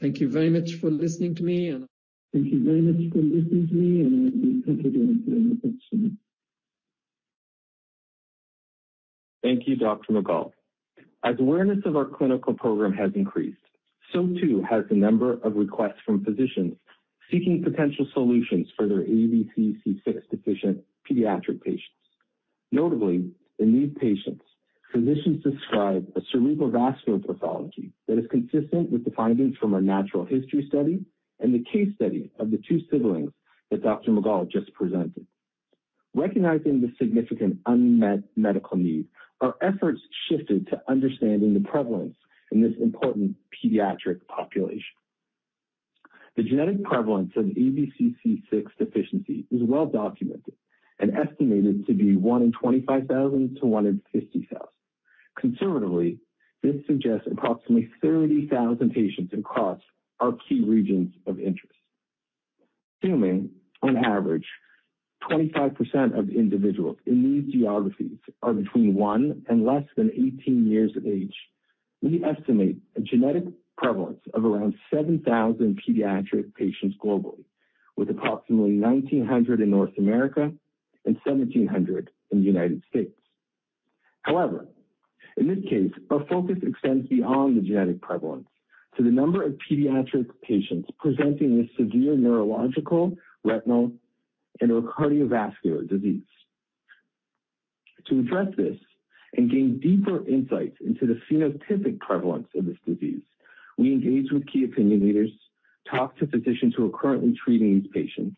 Thank you very much for listening to me, and. Thank you very much for listening to me, and I'll be happy to answer any questions. Thank you, Dr. Magal. As awareness of our clinical program has increased, so too has the number of requests from physicians seeking potential solutions for their ABCC6-deficient pediatric patients. Notably, in these patients, physicians describe a cerebrovascular pathology that is consistent with the findings from our natural history study and the case study of the two siblings that Dr. Magal just presented. Recognizing the significant unmet medical need, our efforts shifted to understanding the prevalence in this important pediatric population. The genetic prevalence of ABCC6 deficiency is well documented and estimated to be 1 in 25,000 to one in 50,000. Conservatively, this suggests approximately 30,000 patients across our key regions of interest. Assuming, on average, 25% of individuals in these geographies are between 1 and less than 18 years of age, we estimate a genetic prevalence of around 7,000 pediatric patients globally, with approximately 1,900 in North America and 1,700 in the United States. However, in this case, our focus extends beyond the genetic prevalence to the number of pediatric patients presenting with severe neurological, retinal, and/or cardiovascular disease. To address this and gain deeper insights into the phenotypic prevalence of this disease, we engaged with key opinion leaders, talked to physicians who are currently treating these patients,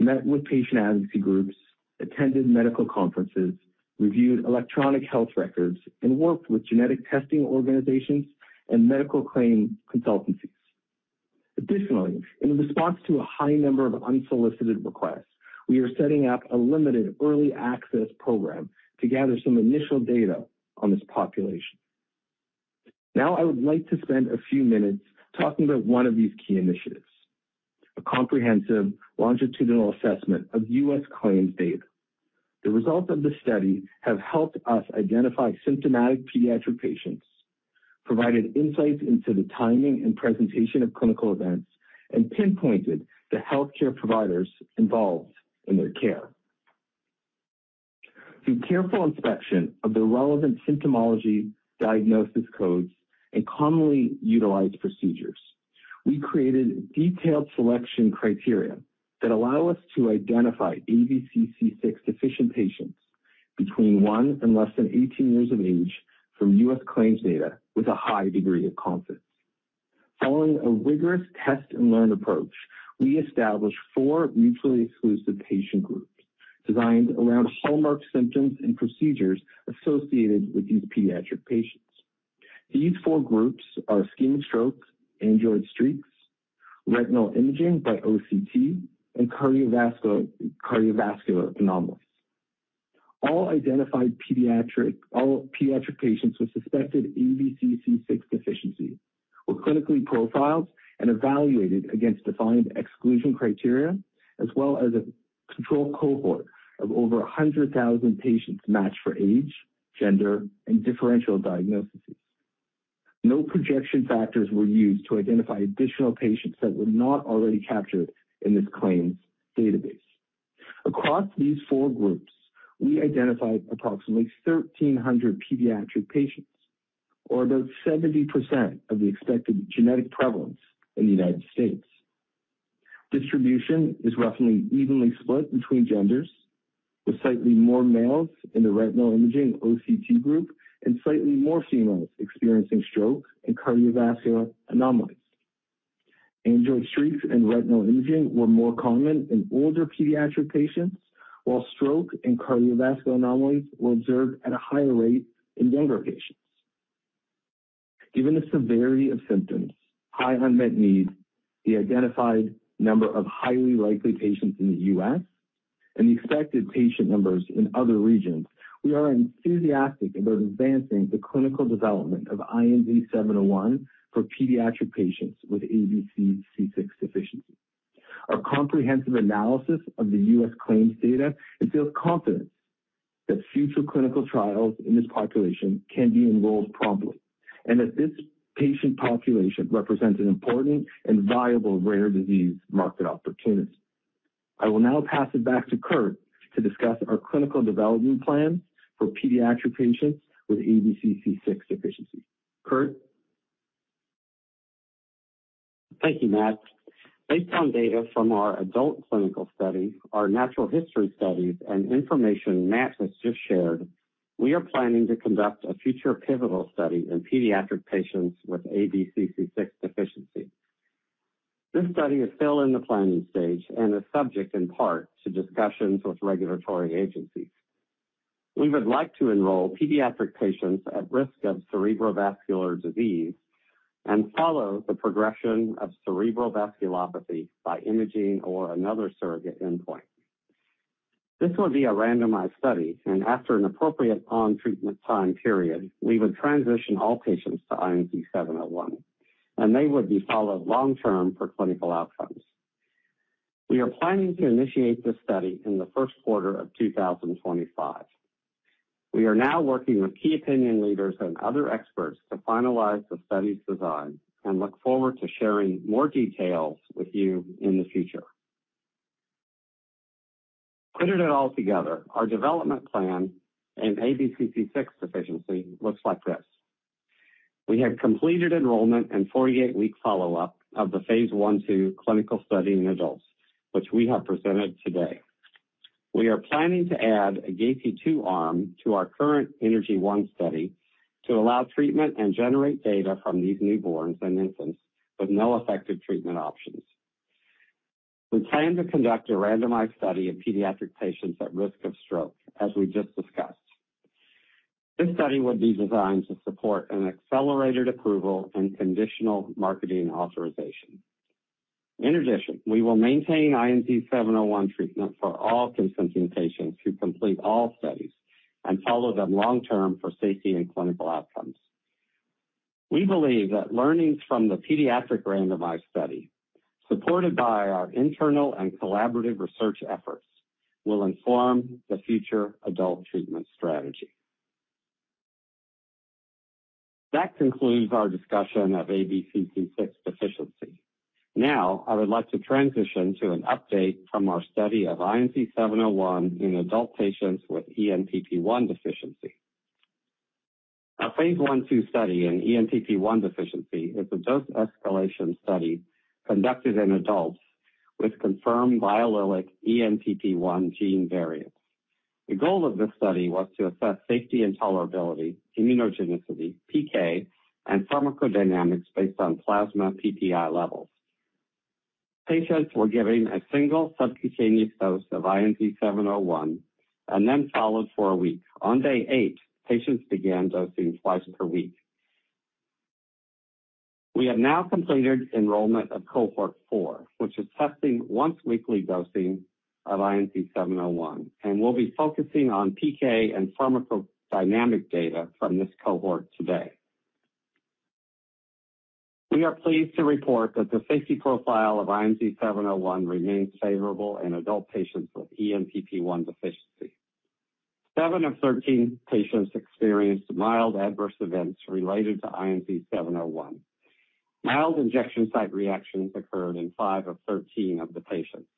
met with patient advocacy groups, attended medical conferences, reviewed electronic health records, and worked with genetic testing organizations and medical claim consultancies. Additionally, in response to a high number of unsolicited requests, we are setting up a limited early access program to gather some initial data on this population. Now, I would like to spend a few minutes talking about one of these key initiatives: a comprehensive longitudinal assessment of US claims data. The results of the study have helped us identify symptomatic pediatric patients, provided insights into the timing and presentation of clinical events, and pinpointed the healthcare providers involved in their care. Through careful inspection of the relevant symptomology, diagnosis codes, and commonly utilized procedures, we created detailed selection criteria that allow us to identify ABCC6-deficient patients between one and less than 18 years of age from US claims data with a high degree of confidence. Following a rigorous test-and-learn approach, we established four mutually exclusive patient groups designed around hallmark symptoms and procedures associated with these pediatric patients. These four groups are ischemic strokes, angioid streaks, retinal imaging by OCT, and cardiovascular anomalies. All identified pediatric patients with suspected ABCC6 deficiency were clinically profiled and evaluated against defined exclusion criteria, as well as a control cohort of over 100,000 patients matched for age, gender, and differential diagnoses. No projection factors were used to identify additional patients that were not already captured in this claims database. Across these four groups, we identified approximately 1,300 pediatric patients, or about 70% of the expected genetic prevalence in the United States. Distribution is roughly evenly split between genders, with slightly more males in the retinal imaging OCT group and slightly more females experiencing stroke and cardiovascular anomalies. Angioid streaks and retinal imaging were more common in older pediatric patients, while stroke and cardiovascular anomalies were observed at a higher rate in younger patients. Given the severity of symptoms, high unmet need, the identified number of highly likely patients in the US, and the expected patient numbers in other regions, we are enthusiastic about advancing the clinical development of INZ-701 for pediatric patients with ABCC6 deficiency. Our comprehensive analysis of the US claims data instills confidence that future clinical trials in this population can be enrolled promptly and that this patient population represents an important and viable rare disease market opportunity. I will now pass it back to Kurt to discuss our clinical development plans for pediatric patients with ABCC6 deficiency. Kurt? Thank you, Matt. Based on data from our adult clinical study, our natural history studies, and information Matt has just shared, we are planning to conduct a future pivotal study in pediatric patients with ABCC6 deficiency. This study is still in the planning stage and is subject in part to discussions with regulatory agencies. We would like to enroll pediatric patients at risk of cerebrovascular disease and follow the progression of cerebrovasculopathy by imaging or another surrogate endpoint. This would be a randomized study, and after an appropriate on-treatment time period, we would transition all patients to INZ-701, and they would be followed long-term for clinical outcomes. We are planning to initiate this study in the first quarter of 2025. We are now working with key opinion leaders and other experts to finalize the study's design and look forward to sharing more details with you in the future. Put it all together, our development plan in ABCC6 deficiency looks like this. We have completed enrollment and 48-week follow-up of the phase 1/2 clinical study in adults, which we have presented today. We are planning to add a GACI type 2 arm to our current INNERGY1 study to allow treatment and generate data from these newborns and infants with no effective treatment options. We plan to conduct a randomized study of pediatric patients at risk of stroke, as we just discussed. This study would be designed to support an accelerated approval and conditional marketing authorization. In addition, we will maintain INZ-701 treatment for all consenting patients who complete all studies and follow them long-term for safety and clinical outcomes. We believe that learnings from the pediatric randomized study, supported by our internal and collaborative research efforts, will inform the future adult treatment strategy. That concludes our discussion of ABCC6 deficiency. Now, I would like to transition to an update from our study of INZ-701 in adult patients with ENPP1 deficiency. Our phase 1/2 study in ENPP1 deficiency is a dose escalation study conducted in adults with confirmed biallelic ENPP1 gene variants. The goal of this study was to assess safety and tolerability, immunogenicity, PK, and pharmacodynamics based on plasma PPi levels. Patients were given a single subcutaneous dose of INZ-701 and then followed for a week. On day 8, patients began dosing twice per week. We have now completed enrollment of Cohort 4, which is testing once-weekly dosing of INZ-701, and we'll be focusing on PK and pharmacodynamic data from this cohort today. We are pleased to report that the safety profile of INZ-701 remains favorable in adult patients with ENPP1 deficiency. 7 of 13 patients experienced mild adverse events related to INZ-701. Mild injection site reactions occurred in 5 of 13 of the patients.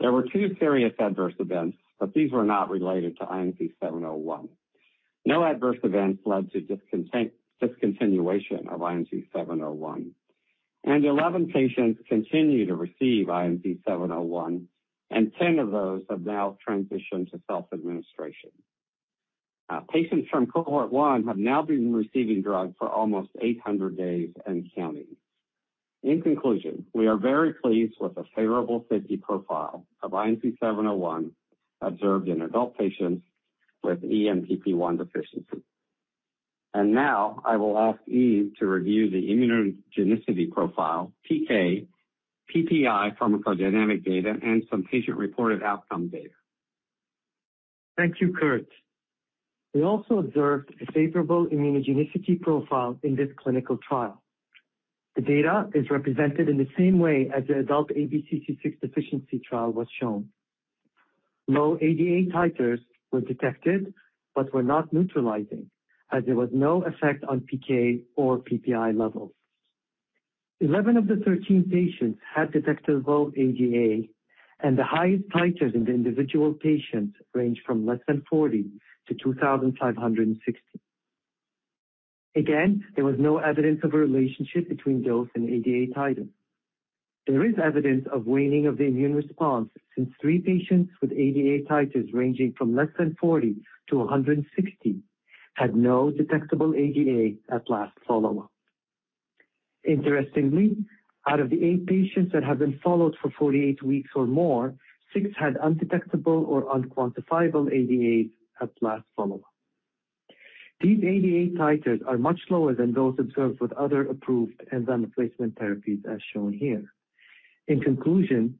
There were 2 serious adverse events, but these were not related to INZ-701. No adverse events led to discontinuation of INZ-701, and 11 patients continue to receive INZ-701, and 10 of those have now transitioned to self-administration. Patients from Cohort 1 have now been receiving drugs for almost 800 days and counting. In conclusion, we are very pleased with a favorable safety profile of INZ-701 observed in adult patients with ENPP1 deficiency. Now, I will ask Yves to review the immunogenicity profile, PK, PPi pharmacodynamic data, and some patient-reported outcome data. Thank you, Kurt. We also observed a favorable immunogenicity profile in this clinical trial. The data is represented in the same way as the adult ABCC6 deficiency trial was shown. Low ADA titers were detected but were not neutralizing, as there was no effect on PK or PPi levels. 11 of the 13 patients had detectable ADA, and the highest titers in the individual patients ranged from less than 40-2,560. Again, there was no evidence of a relationship between dose and ADA titer. There is evidence of waning of the immune response since three patients with ADA titers ranging from less than 40-160 had no detectable ADA at last follow-up. Interestingly, out of the eight patients that have been followed for 48 weeks or more, six had undetectable or unquantifiable ADAs at last follow-up. These ADA titers are much lower than those observed with other approved and then replacement therapies, as shown here. In conclusion,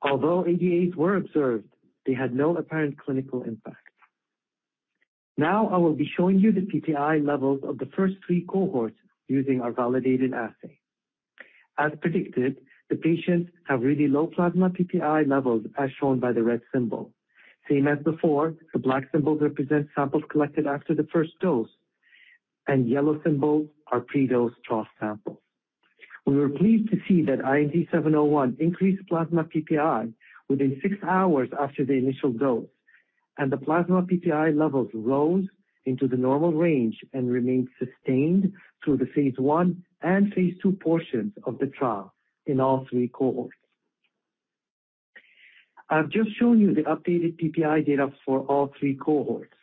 although ADAs were observed, they had no apparent clinical impact. Now, I will be showing you the PPi levels of the first three cohorts using our validated assay. As predicted, the patients have really low plasma PPi levels, as shown by the red symbol. Same as before, the black symbols represent samples collected after the first dose, and yellow symbols are pre-dose trough samples. We were pleased to see that INZ-701 increased plasma PPi within six hours after the initial dose, and the plasma PPi levels rose into the normal range and remained sustained through the phase 1 and phase 2 portions of the trial in all three cohorts. I've just shown you the updated PPi data for all three cohorts.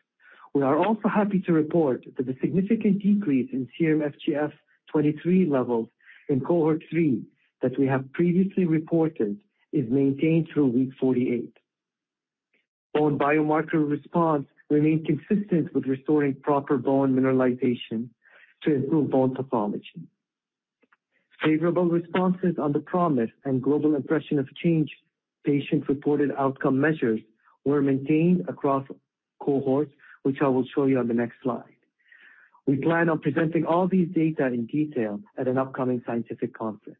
We are also happy to report that the significant decrease in serum FGF23 levels in Cohort 3 that we have previously reported is maintained through week 48. Bone biomarker response remained consistent with restoring proper bone mineralization to improve bone pathology. Favorable responses on the PROMIS and global impression of change patient-reported outcome measures were maintained across cohorts, which I will show you on the next slide. We plan on presenting all these data in detail at an upcoming scientific conference.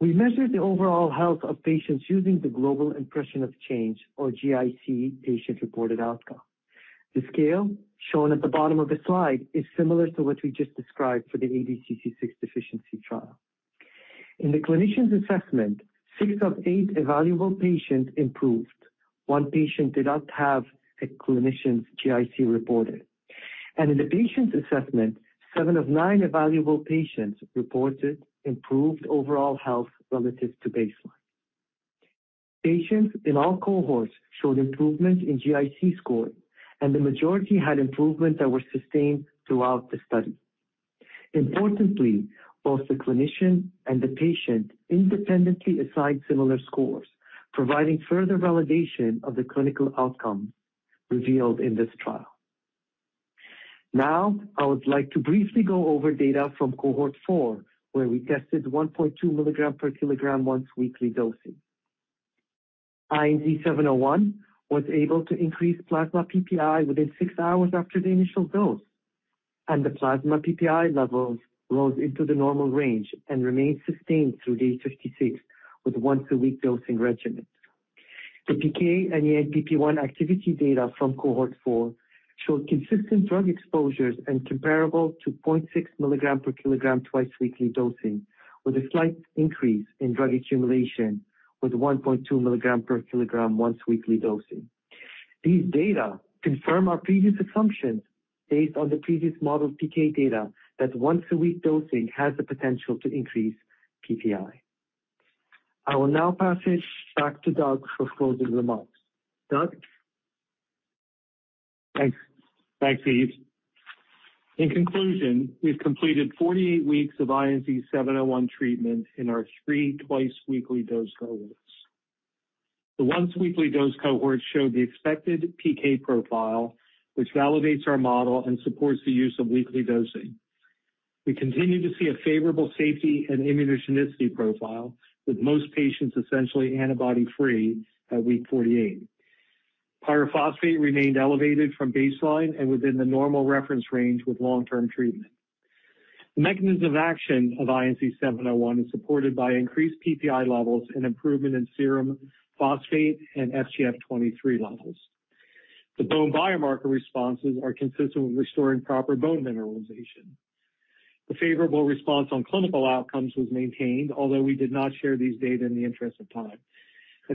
We measured the overall health of patients using the global impression of change, or GIC, patient-reported outcome. The scale shown at the bottom of the slide is similar to what we just described for the ABCC6 deficiency trial. In the clinician's assessment, 6 of 8 evaluable patients improved. 1 patient did not have a clinician's GIC reported. In the patient's assessment, 7 of 9 evaluable patients reported improved overall health relative to baseline. Patients in all cohorts showed improvement in GIC scores, and the majority had improvements that were sustained throughout the study. Importantly, both the clinician and the patient independently assigned similar scores, providing further validation of the clinical outcomes revealed in this trial. Now, I would like to briefly go over data from Cohort 4, where we tested 1.2 milligrams per kilogram once-weekly dosing. INZ-701 was able to increase plasma PPi within 6 hours after the initial dose, and the plasma PPi levels rose into the normal range and remained sustained through day 56 with once-a-week dosing regimen. The PK and ENPP1 activity data from Cohort 4 showed consistent drug exposures and comparable to 0.6 milligrams per kilogram twice-weekly dosing, with a slight increase in drug accumulation with 1.2 milligrams per kilogram once-weekly dosing. These data confirm our previous assumptions based on the previous modeled PK data that once-a-week dosing has the potential to increase PPI. I will now pass it back to Doug for closing remarks. Doug? Thanks, Yve. In conclusion, we've completed 48 weeks of INZ-701 treatment in our three twice-weekly dose cohorts. The once-weekly dose cohorts showed the expected PK profile, which validates our model and supports the use of weekly dosing. We continue to see a favorable safety and immunogenicity profile, with most patients essentially antibody-free at week 48. Pyrophosphate remained elevated from baseline and within the normal reference range with long-term treatment. The mechanism of action of INZ-701 is supported by increased PPi levels and improvement in serum phosphate and FGF23 levels. The bone biomarker responses are consistent with restoring proper bone mineralization. The favorable response on clinical outcomes was maintained, although we did not share these data in the interest of time.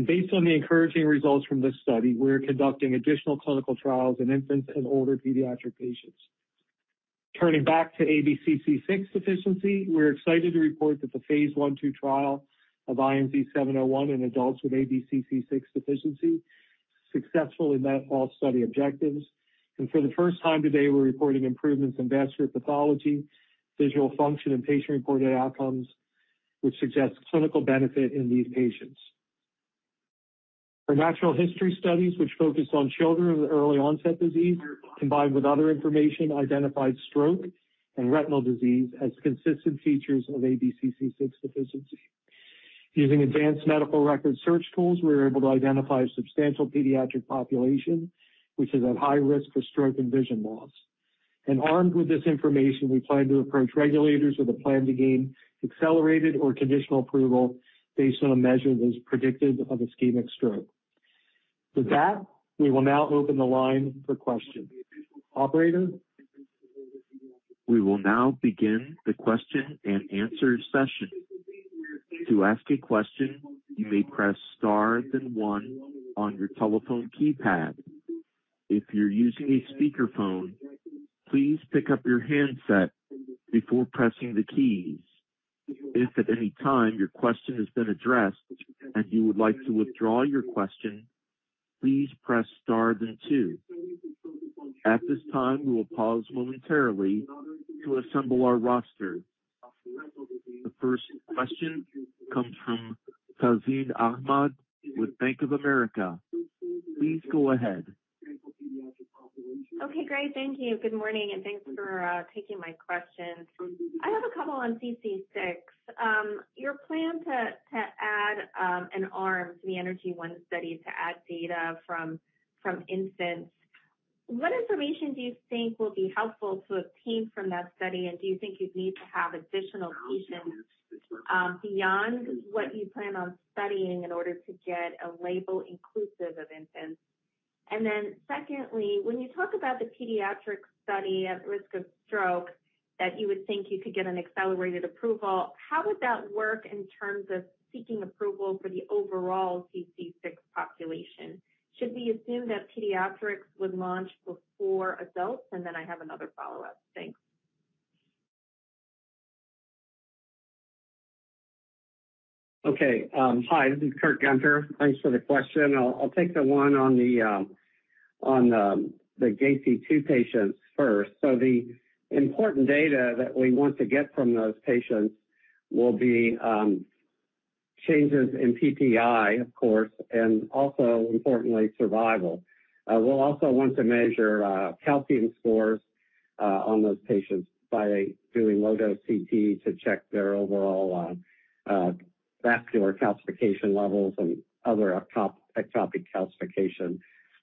Based on the encouraging results from this study, we are conducting additional clinical trials in infants and older pediatric patients. Turning back to ABCC6 deficiency, we're excited to report that the phase 1/2 trial of INZ-701 in adults with ABCC6 deficiency successfully met all study objectives, and for the first time today, we're reporting improvements in vascular pathology, visual function, and patient-reported outcomes, which suggests clinical benefit in these patients. Our natural history studies, which focused on children with early-onset disease, combined with other information, identified stroke and retinal disease as consistent features of ABCC6 deficiency. Using advanced medical record search tools, we were able to identify a substantial pediatric population, which is at high risk for stroke and vision loss. Armed with this information, we plan to approach regulators with a plan to gain accelerated or conditional approval based on a measure that is predicted of ischemic stroke. With that, we will now open the line for questions. Operator? We will now begin the question and answer session. To ask a question, you may press star then 1 on your telephone keypad. If you're using a speakerphone, please pick up your handset before pressing the keys. If at any time your question has been addressed and you would like to withdraw your question, please press star then 2. At this time, we will pause momentarily to assemble our roster. The first question comes from Tazeen Ahmad with Bank of America. Please go ahead. Okay, great. Thank you. Good morning, and thanks for taking my questions. I have a couple on ABCC6. Your plan to add an arm to the INNERGY1 study to add data from infants, what information do you think will be helpful to obtain from that study, and do you think you'd need to have additional patients beyond what you plan on studying in order to get a label inclusive of infants? And then secondly, when you talk about the pediatric study at risk of stroke that you would think you could get an accelerated approval, how would that work in terms of seeking approval for the overall ABCC6 population? Should we assume that pediatrics would launch before adults? And then I have another follow-up. Thanks. Okay. Hi, this is Kurt Gunter. Thanks for the question. I'll take the one on the GACI2 patients first. The important data that we want to get from those patients will be changes in PPi, of course, and also, importantly, survival. We'll also want to measure calcium scores on those patients by doing low-dose CT to check their overall vascular calcification levels and other ectopic calcification.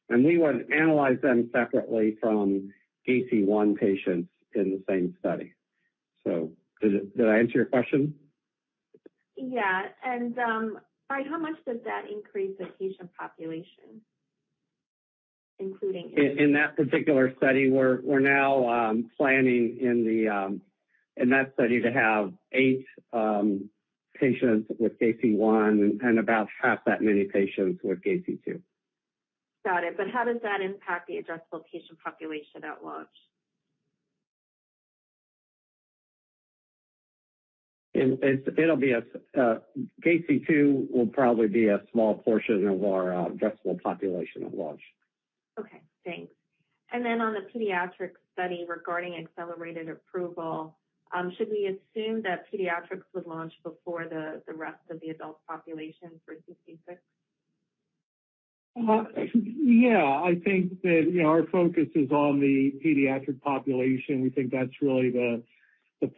We would analyze them separately from GAC1 patients in the same study. Did I answer your question? Yeah. And by how much does that increase the patient population, including infants? In that particular study, we're now planning in that study to have eight patients with GACI1 and about half that many patients with GACI2. Got it. But how does that impact the adjustable patient population at launch? It'll be a GACI 2, will probably be a small portion of our addressable population at launch. Okay. Thanks. And then on the pediatrics study regarding accelerated approval, should we assume that pediatrics would launch before the rest of the adult population for ABCC6? Yeah. I think that our focus is on the pediatric population. We think that's really the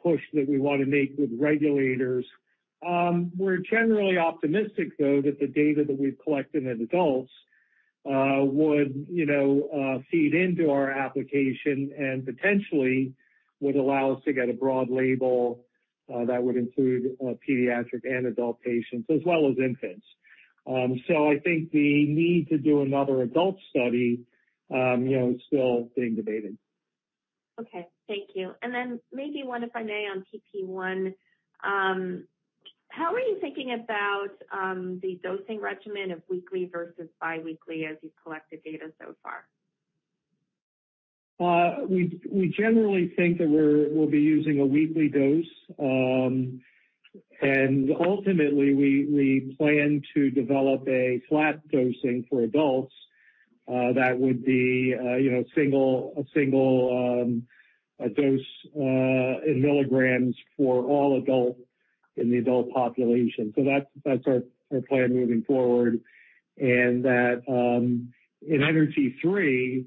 push that we want to make with regulators. We're generally optimistic, though, that the data that we've collected in adults would feed into our application and potentially would allow us to get a broad label that would include pediatric and adult patients as well as infants. So I think the need to do another adult study is still being debated. Okay. Thank you. Then maybe one if I may on PPi, how are you thinking about the dosing regimen of weekly versus biweekly as you've collected data so far? We generally think that we'll be using a weekly dose. And ultimately, we plan to develop a flat dosing for adults that would be a single dose in milligrams for all adults in the adult population. So that's our plan moving forward. And that in ENERGY-3,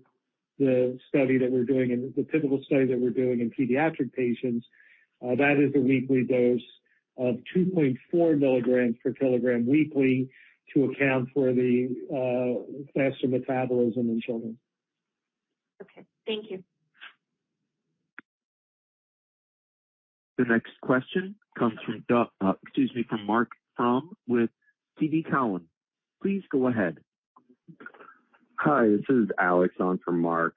the study that we're doing and the typical study that we're doing in pediatric patients, that is a weekly dose of 2.4 milligrams per kilogram weekly to account for the faster metabolism in children. Okay. Thank you. The next question comes from Doug, excuse me, from Marc Frahm with TD Cowen. Please go ahead. Hi, this is Alex on from Marc.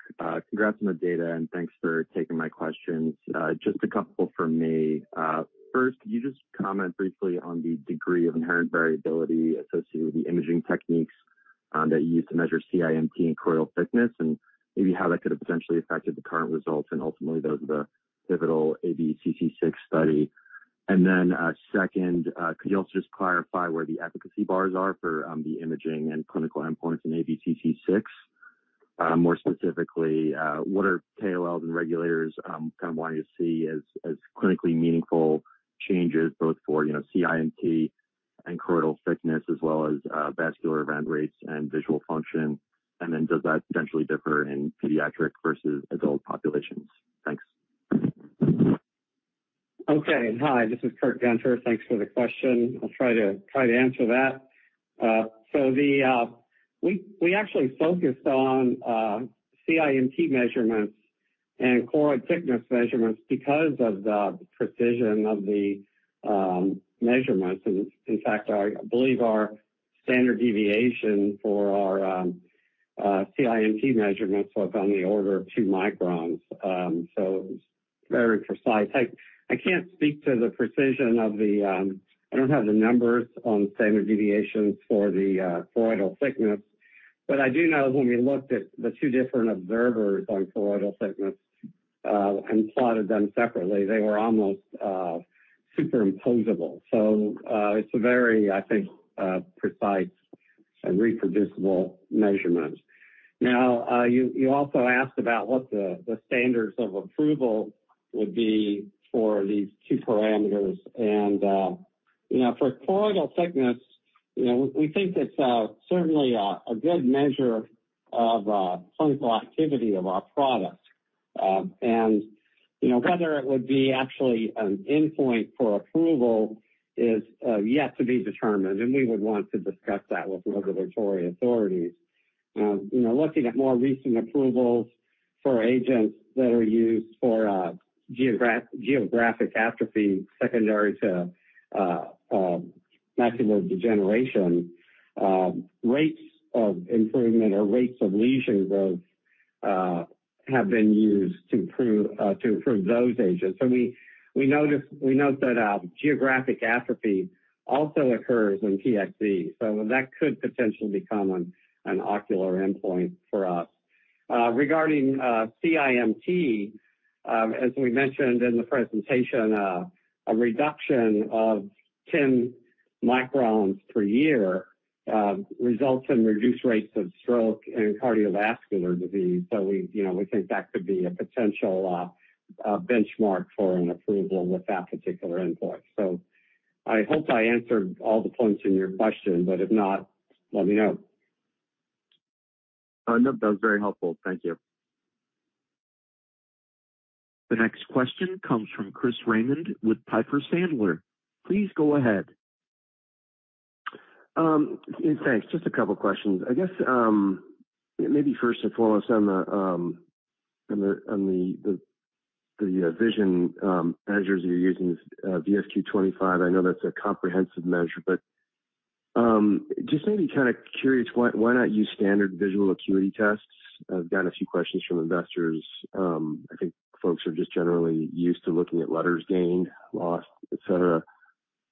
Congrats on the data, and thanks for taking my questions. Just a couple for me. First, could you just comment briefly on the degree of inherent variability associated with the imaging techniques that you use to measure CIMT and choroidal thickness, and maybe how that could have potentially affected the current results and ultimately those of the pivotal ABCC6 study? And then second, could you also just clarify where the efficacy bars are for the imaging and clinical endpoints in ABCC6? More specifically, what are KOLs and regulators kind of wanting to see as clinically meaningful changes, both for CIMT and choroidal thickness as well as vascular event rates and visual function? And then does that potentially differ in pediatric versus adult populations? Thanks. Okay. Hi, this is Kurt Gunter. Thanks for the question. I'll try to answer that. So we actually focused on CIMT measurements and choroidal thickness measurements because of the precision of the measurements. And in fact, I believe our standard deviation for our CIMT measurements was on the order of 2 microns. So it was very precise. I can't speak to the precision. I don't have the numbers on standard deviations for the choroidal thickness, but I do know when we looked at the two different observers on choroidal thickness and plotted them separately, they were almost superimposable. So it's a very, I think, precise and reproducible measurement. Now, you also asked about what the standards of approval would be for these two parameters. And for choroidal thickness, we think it's certainly a good measure of clinical activity of our product. Whether it would be actually an endpoint for approval is yet to be determined, and we would want to discuss that with regulatory authorities. Looking at more recent approvals for agents that are used for geographic atrophy secondary to macular degeneration, rates of improvement or rates of lesion growth have been used to improve those agents. We note that geographic atrophy also occurs in PXE. That could potentially become an ocular endpoint for us. Regarding CIMT, as we mentioned in the presentation, a reduction of 10 microns per year results in reduced rates of stroke and cardiovascular disease. We think that could be a potential benchmark for an approval with that particular endpoint. I hope I answered all the points in your question, but if not, let me know. Nope, that was very helpful. Thank you. The next question comes from Chris Raymond with Piper Sandler. Please go ahead. Thanks. Just a couple of questions. I guess maybe first and foremost on the vision measures you're using, VFQ-25, I know that's a comprehensive measure, but just maybe kind of curious, why not use standard visual acuity tests? I've gotten a few questions from investors. I think folks are just generally used to looking at letters gained, lost, etc.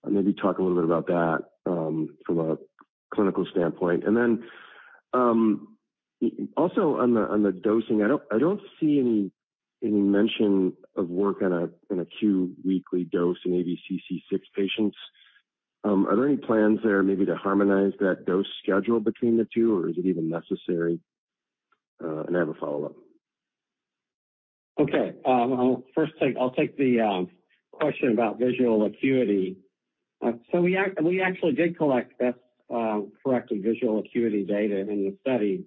Maybe talk a little bit about that from a clinical standpoint. And then also on the dosing, I don't see any mention of work on a q-weekly dose in ABCC6 patients. Are there any plans there maybe to harmonize that dose schedule between the two, or is it even necessary? And I have a follow-up. Okay. I'll take the question about visual acuity. So we actually did collect, if that's correctly, visual acuity data in the study.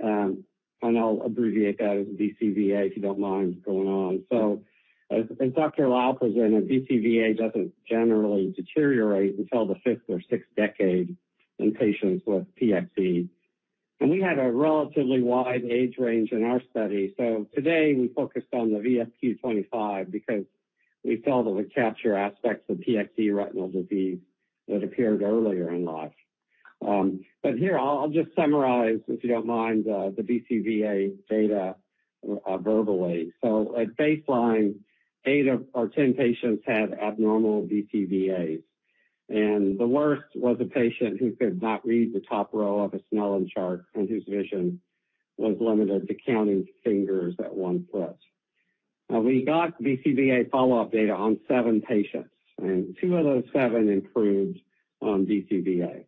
And I'll abbreviate that as BCVA if you don't mind going on. So as Dr. Liao presented, BCVA doesn't generally deteriorate until the fifth or sixth decade in patients with PXE. And we had a relatively wide age range in our study. So today, we focused on the VFQ-25 because we felt it would capture aspects of PXE retinal disease that appeared earlier in life. But here, I'll just summarize, if you don't mind, the BCVA data verbally. So at baseline, 8 or 10 patients had abnormal BCVA. And the worst was a patient who could not read the top row of a Snellen chart and whose vision was limited to counting fingers at one foot. We got VCVA follow-up data on 7 patients, and 2 of those 7 improved on VCVA.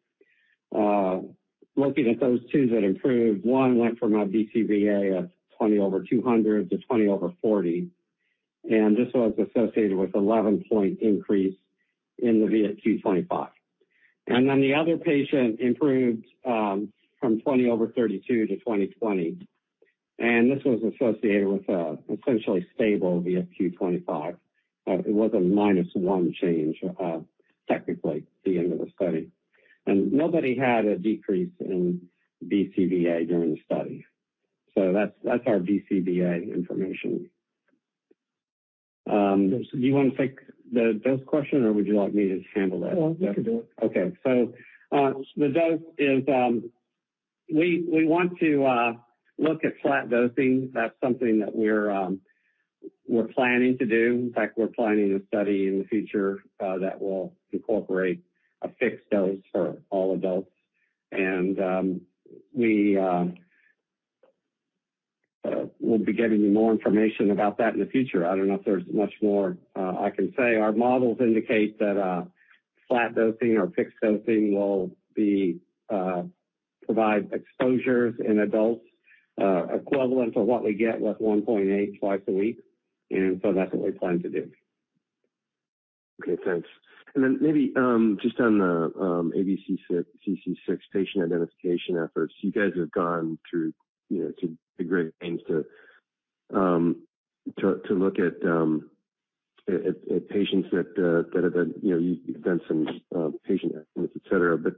Looking at those 2 that improved, one went from a VCVA of 20/200 to 20/40, and this was associated with an 11-point increase in the VFQ-25. And then the other patient improved from 20/32 to 20/20, and this was associated with an essentially stable VFQ-25. It was a -1 change, technically, at the end of the study. And nobody had a decrease in VCVA during the study. So that's our VCVA information. Do you want to take the dose question, or would you like me to handle that? No, you can do it. Okay. So the dose is we want to look at flat dosing. That's something that we're planning to do. In fact, we're planning a study in the future that will incorporate a fixed dose for all adults. And we'll be giving you more information about that in the future. I don't know if there's much more I can say. Our models indicate that flat dosing or fixed dosing will provide exposures in adults equivalent to what we get with 1.8 twice a week. And so that's what we plan to do. Okay. Thanks. And then maybe just on the ABCC6 patient identification efforts, you guys have gone through great lengths to look at patients. You've done some patient estimates, etc. But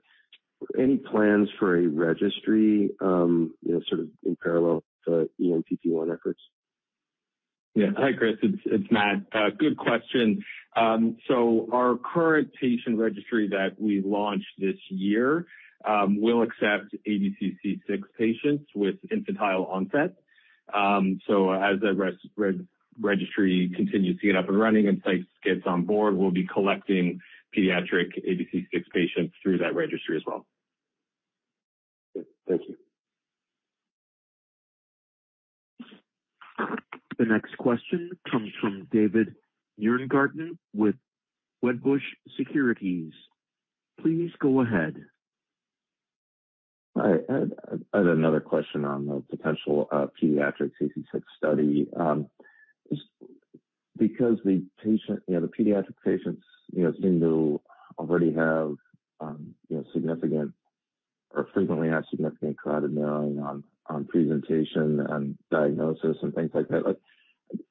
any plans for a registry sort of in parallel to ENPP1 efforts? Yeah. Hi, Chris. It's Matt. Good question. So our current patient registry that we launched this year will accept ABCC6 patients with infantile onset. So as the registry continues to get up and running and sites gets on board, we'll be collecting pediatric ABCC6 patients through that registry as well. Good. Thank you. The next question comes from David Nierengarten with Wedbush Securities. Please go ahead. Hi. I had another question on the potential pediatric ABCC6 study. Because the pediatric patients seem to already have significant or frequently have significant carotid narrowing on presentation and diagnosis and things like that,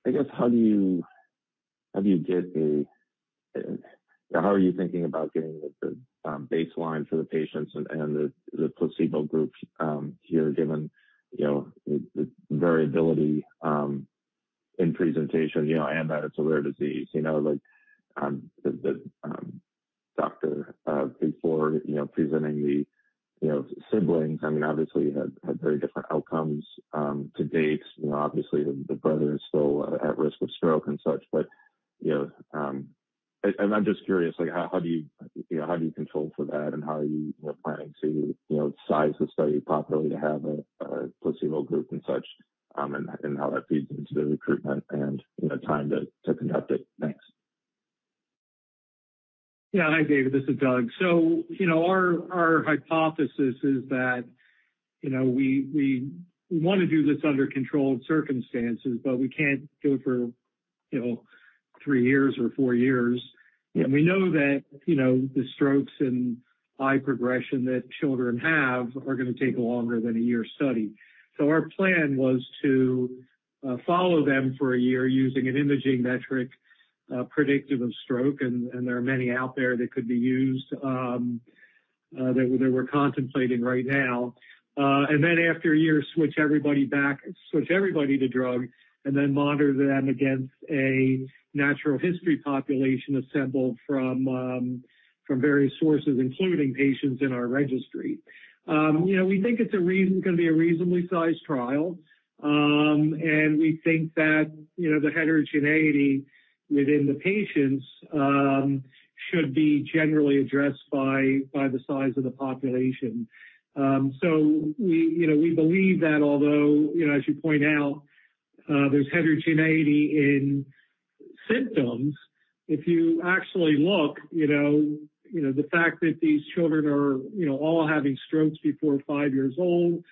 I guess how are you thinking about getting the baseline for the patients and the placebo group here given the variability in presentation and that it's a rare disease? Like Dr. before presenting the siblings, I mean, obviously, you had very different outcomes to date. Obviously, the brother is still at risk of stroke and such. But I'm just curious, how do you control for that, and how are you planning to size the study properly to have a placebo group and such, and how that feeds into the recruitment and time to conduct it? Thanks. Yeah. Hi, David. This is Doug. So our hypothesis is that we want to do this under controlled circumstances, but we can't do it for 3 years or 4 years. And we know that the strokes and eye progression that children have are going to take longer than a year study. So our plan was to follow them for a year using an imaging metric predictive of stroke, and there are many out there that could be used that we're contemplating right now. And then after a year, switch everybody back switch everybody to drug and then monitor them against a natural history population assembled from various sources, including patients in our registry. We think it's going to be a reasonably sized trial, and we think that the heterogeneity within the patients should be generally addressed by the size of the population. So we believe that although, as you point out, there's heterogeneity in symptoms, if you actually look, the fact that these children are all having strokes before 5 years old,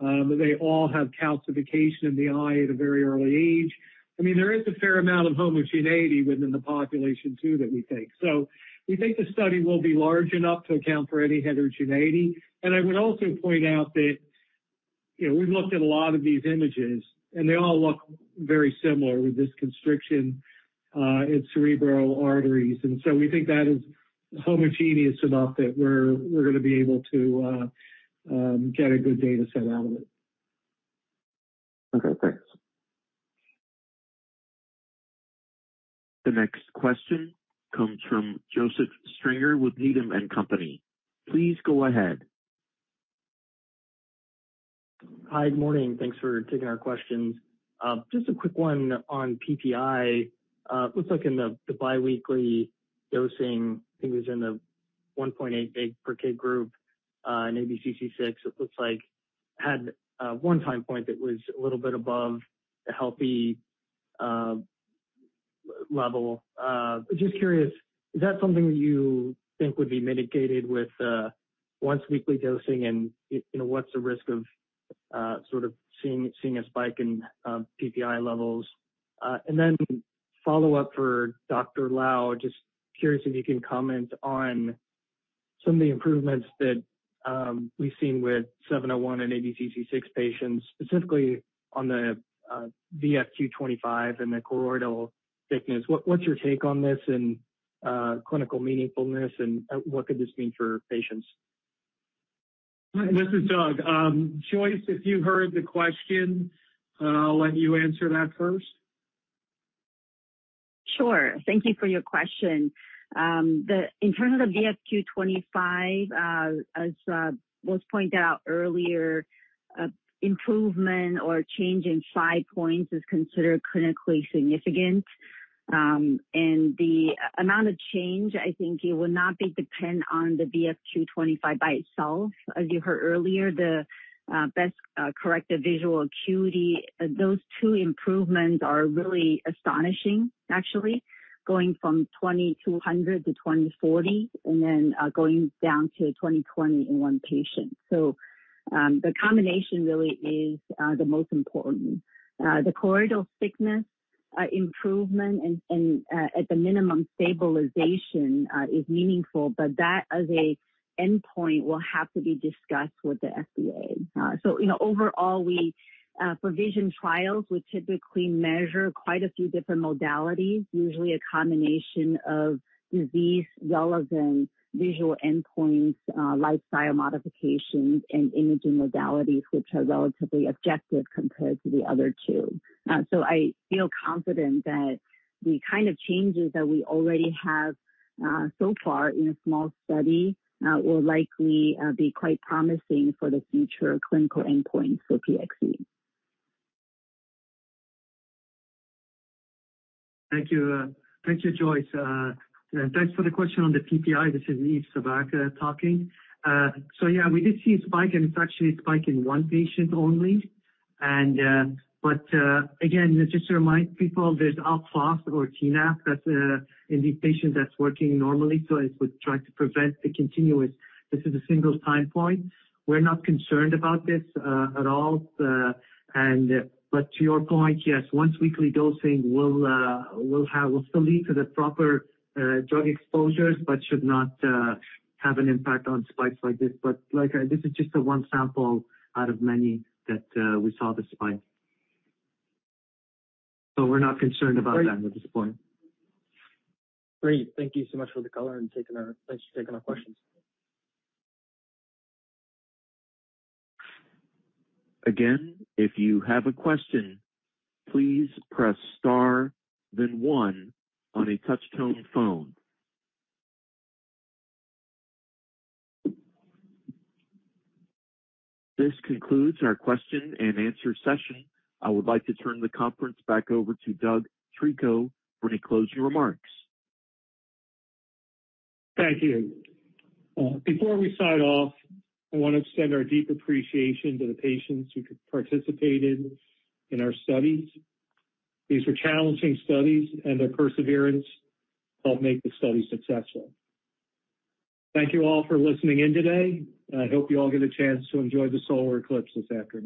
they all have calcification in the eye at a very early age, I mean, there is a fair amount of homogeneity within the population too that we think. So we think the study will be large enough to account for any heterogeneity. And I would also point out that we've looked at a lot of these images, and they all look very similar with this constriction in cerebral arteries. And so we think that is homogeneous enough that we're going to be able to get a good data set out of it. Okay. Thanks. The next question comes from Joseph Stringer with Needham & Company. Please go ahead. Hi. Good morning. Thanks for taking our questions. Just a quick one on PPi. It looks like in the biweekly dosing, I think it was in the 1.8 mg per kid group in ABCC6, it looks like had one time point that was a little bit above the healthy level. Just curious, is that something that you think would be mitigated with once-weekly dosing, and what's the risk of sort of seeing a spike in PPi levels? And then follow-up for Dr. Lau, just curious if you can comment on some of the improvements that we've seen with 701 and ABCC6 patients, specifically on the VFQ-25 and the choroidal thickness. What's your take on this and clinical meaningfulness, and what could this mean for patients? Hi. This is Doug. Joyce, if you heard the question, I'll let you answer that first. Sure. Thank you for your question. In terms of the VFQ-25, as was pointed out earlier, improvement or change in five points is considered clinically significant. And the amount of change, I think, it will not depend on the VFQ-25 by itself. As you heard earlier, the best-corrected visual acuity, those two improvements are really astonishing, actually, going from 20/200 to 20/40 and then going down to 20/20 in one patient. So the combination really is the most important. The choroidal thickness improvement and, at the minimum, stabilization is meaningful, but that, as an endpoint, will have to be discussed with the FDA. So overall, for vision trials, we typically measure quite a few different modalities, usually a combination of disease-relevant visual endpoints, lifestyle modifications, and imaging modalities, which are relatively objective compared to the other two. So I feel confident that the kind of changes that we already have so far in a small study will likely be quite promising for the future clinical endpoints for PXE. Thank you. Thank you, Joyce. And thanks for the question on the PPi. This is Yves Sabbagh talking. So yeah, we did see a spike, and it's actually a spike in one patient only. But again, just to remind people, there's alk phos or TNAP. That's in these patients that's working normally, so it would try to prevent the continuous. This is a single time point. We're not concerned about this at all. But to your point, yes, once-weekly dosing will still lead to the proper drug exposures but should not have an impact on spikes like this. But this is just one sample out of many that we saw the spike. So we're not concerned about that at this point. Great. Thank you so much for the color and thanks for taking our questions. Again, if you have a question, please press star, then one on a touch-tone phone. This concludes our question-and-answer session. I would like to turn the conference back over to Doug Treco for any closing remarks. Thank you. Before we sign off, I want to extend our deep appreciation to the patients who participated in our studies. These were challenging studies, and their perseverance helped make the study successful. Thank you all for listening in today. I hope you all get a chance to enjoy the solar eclipse this afternoon.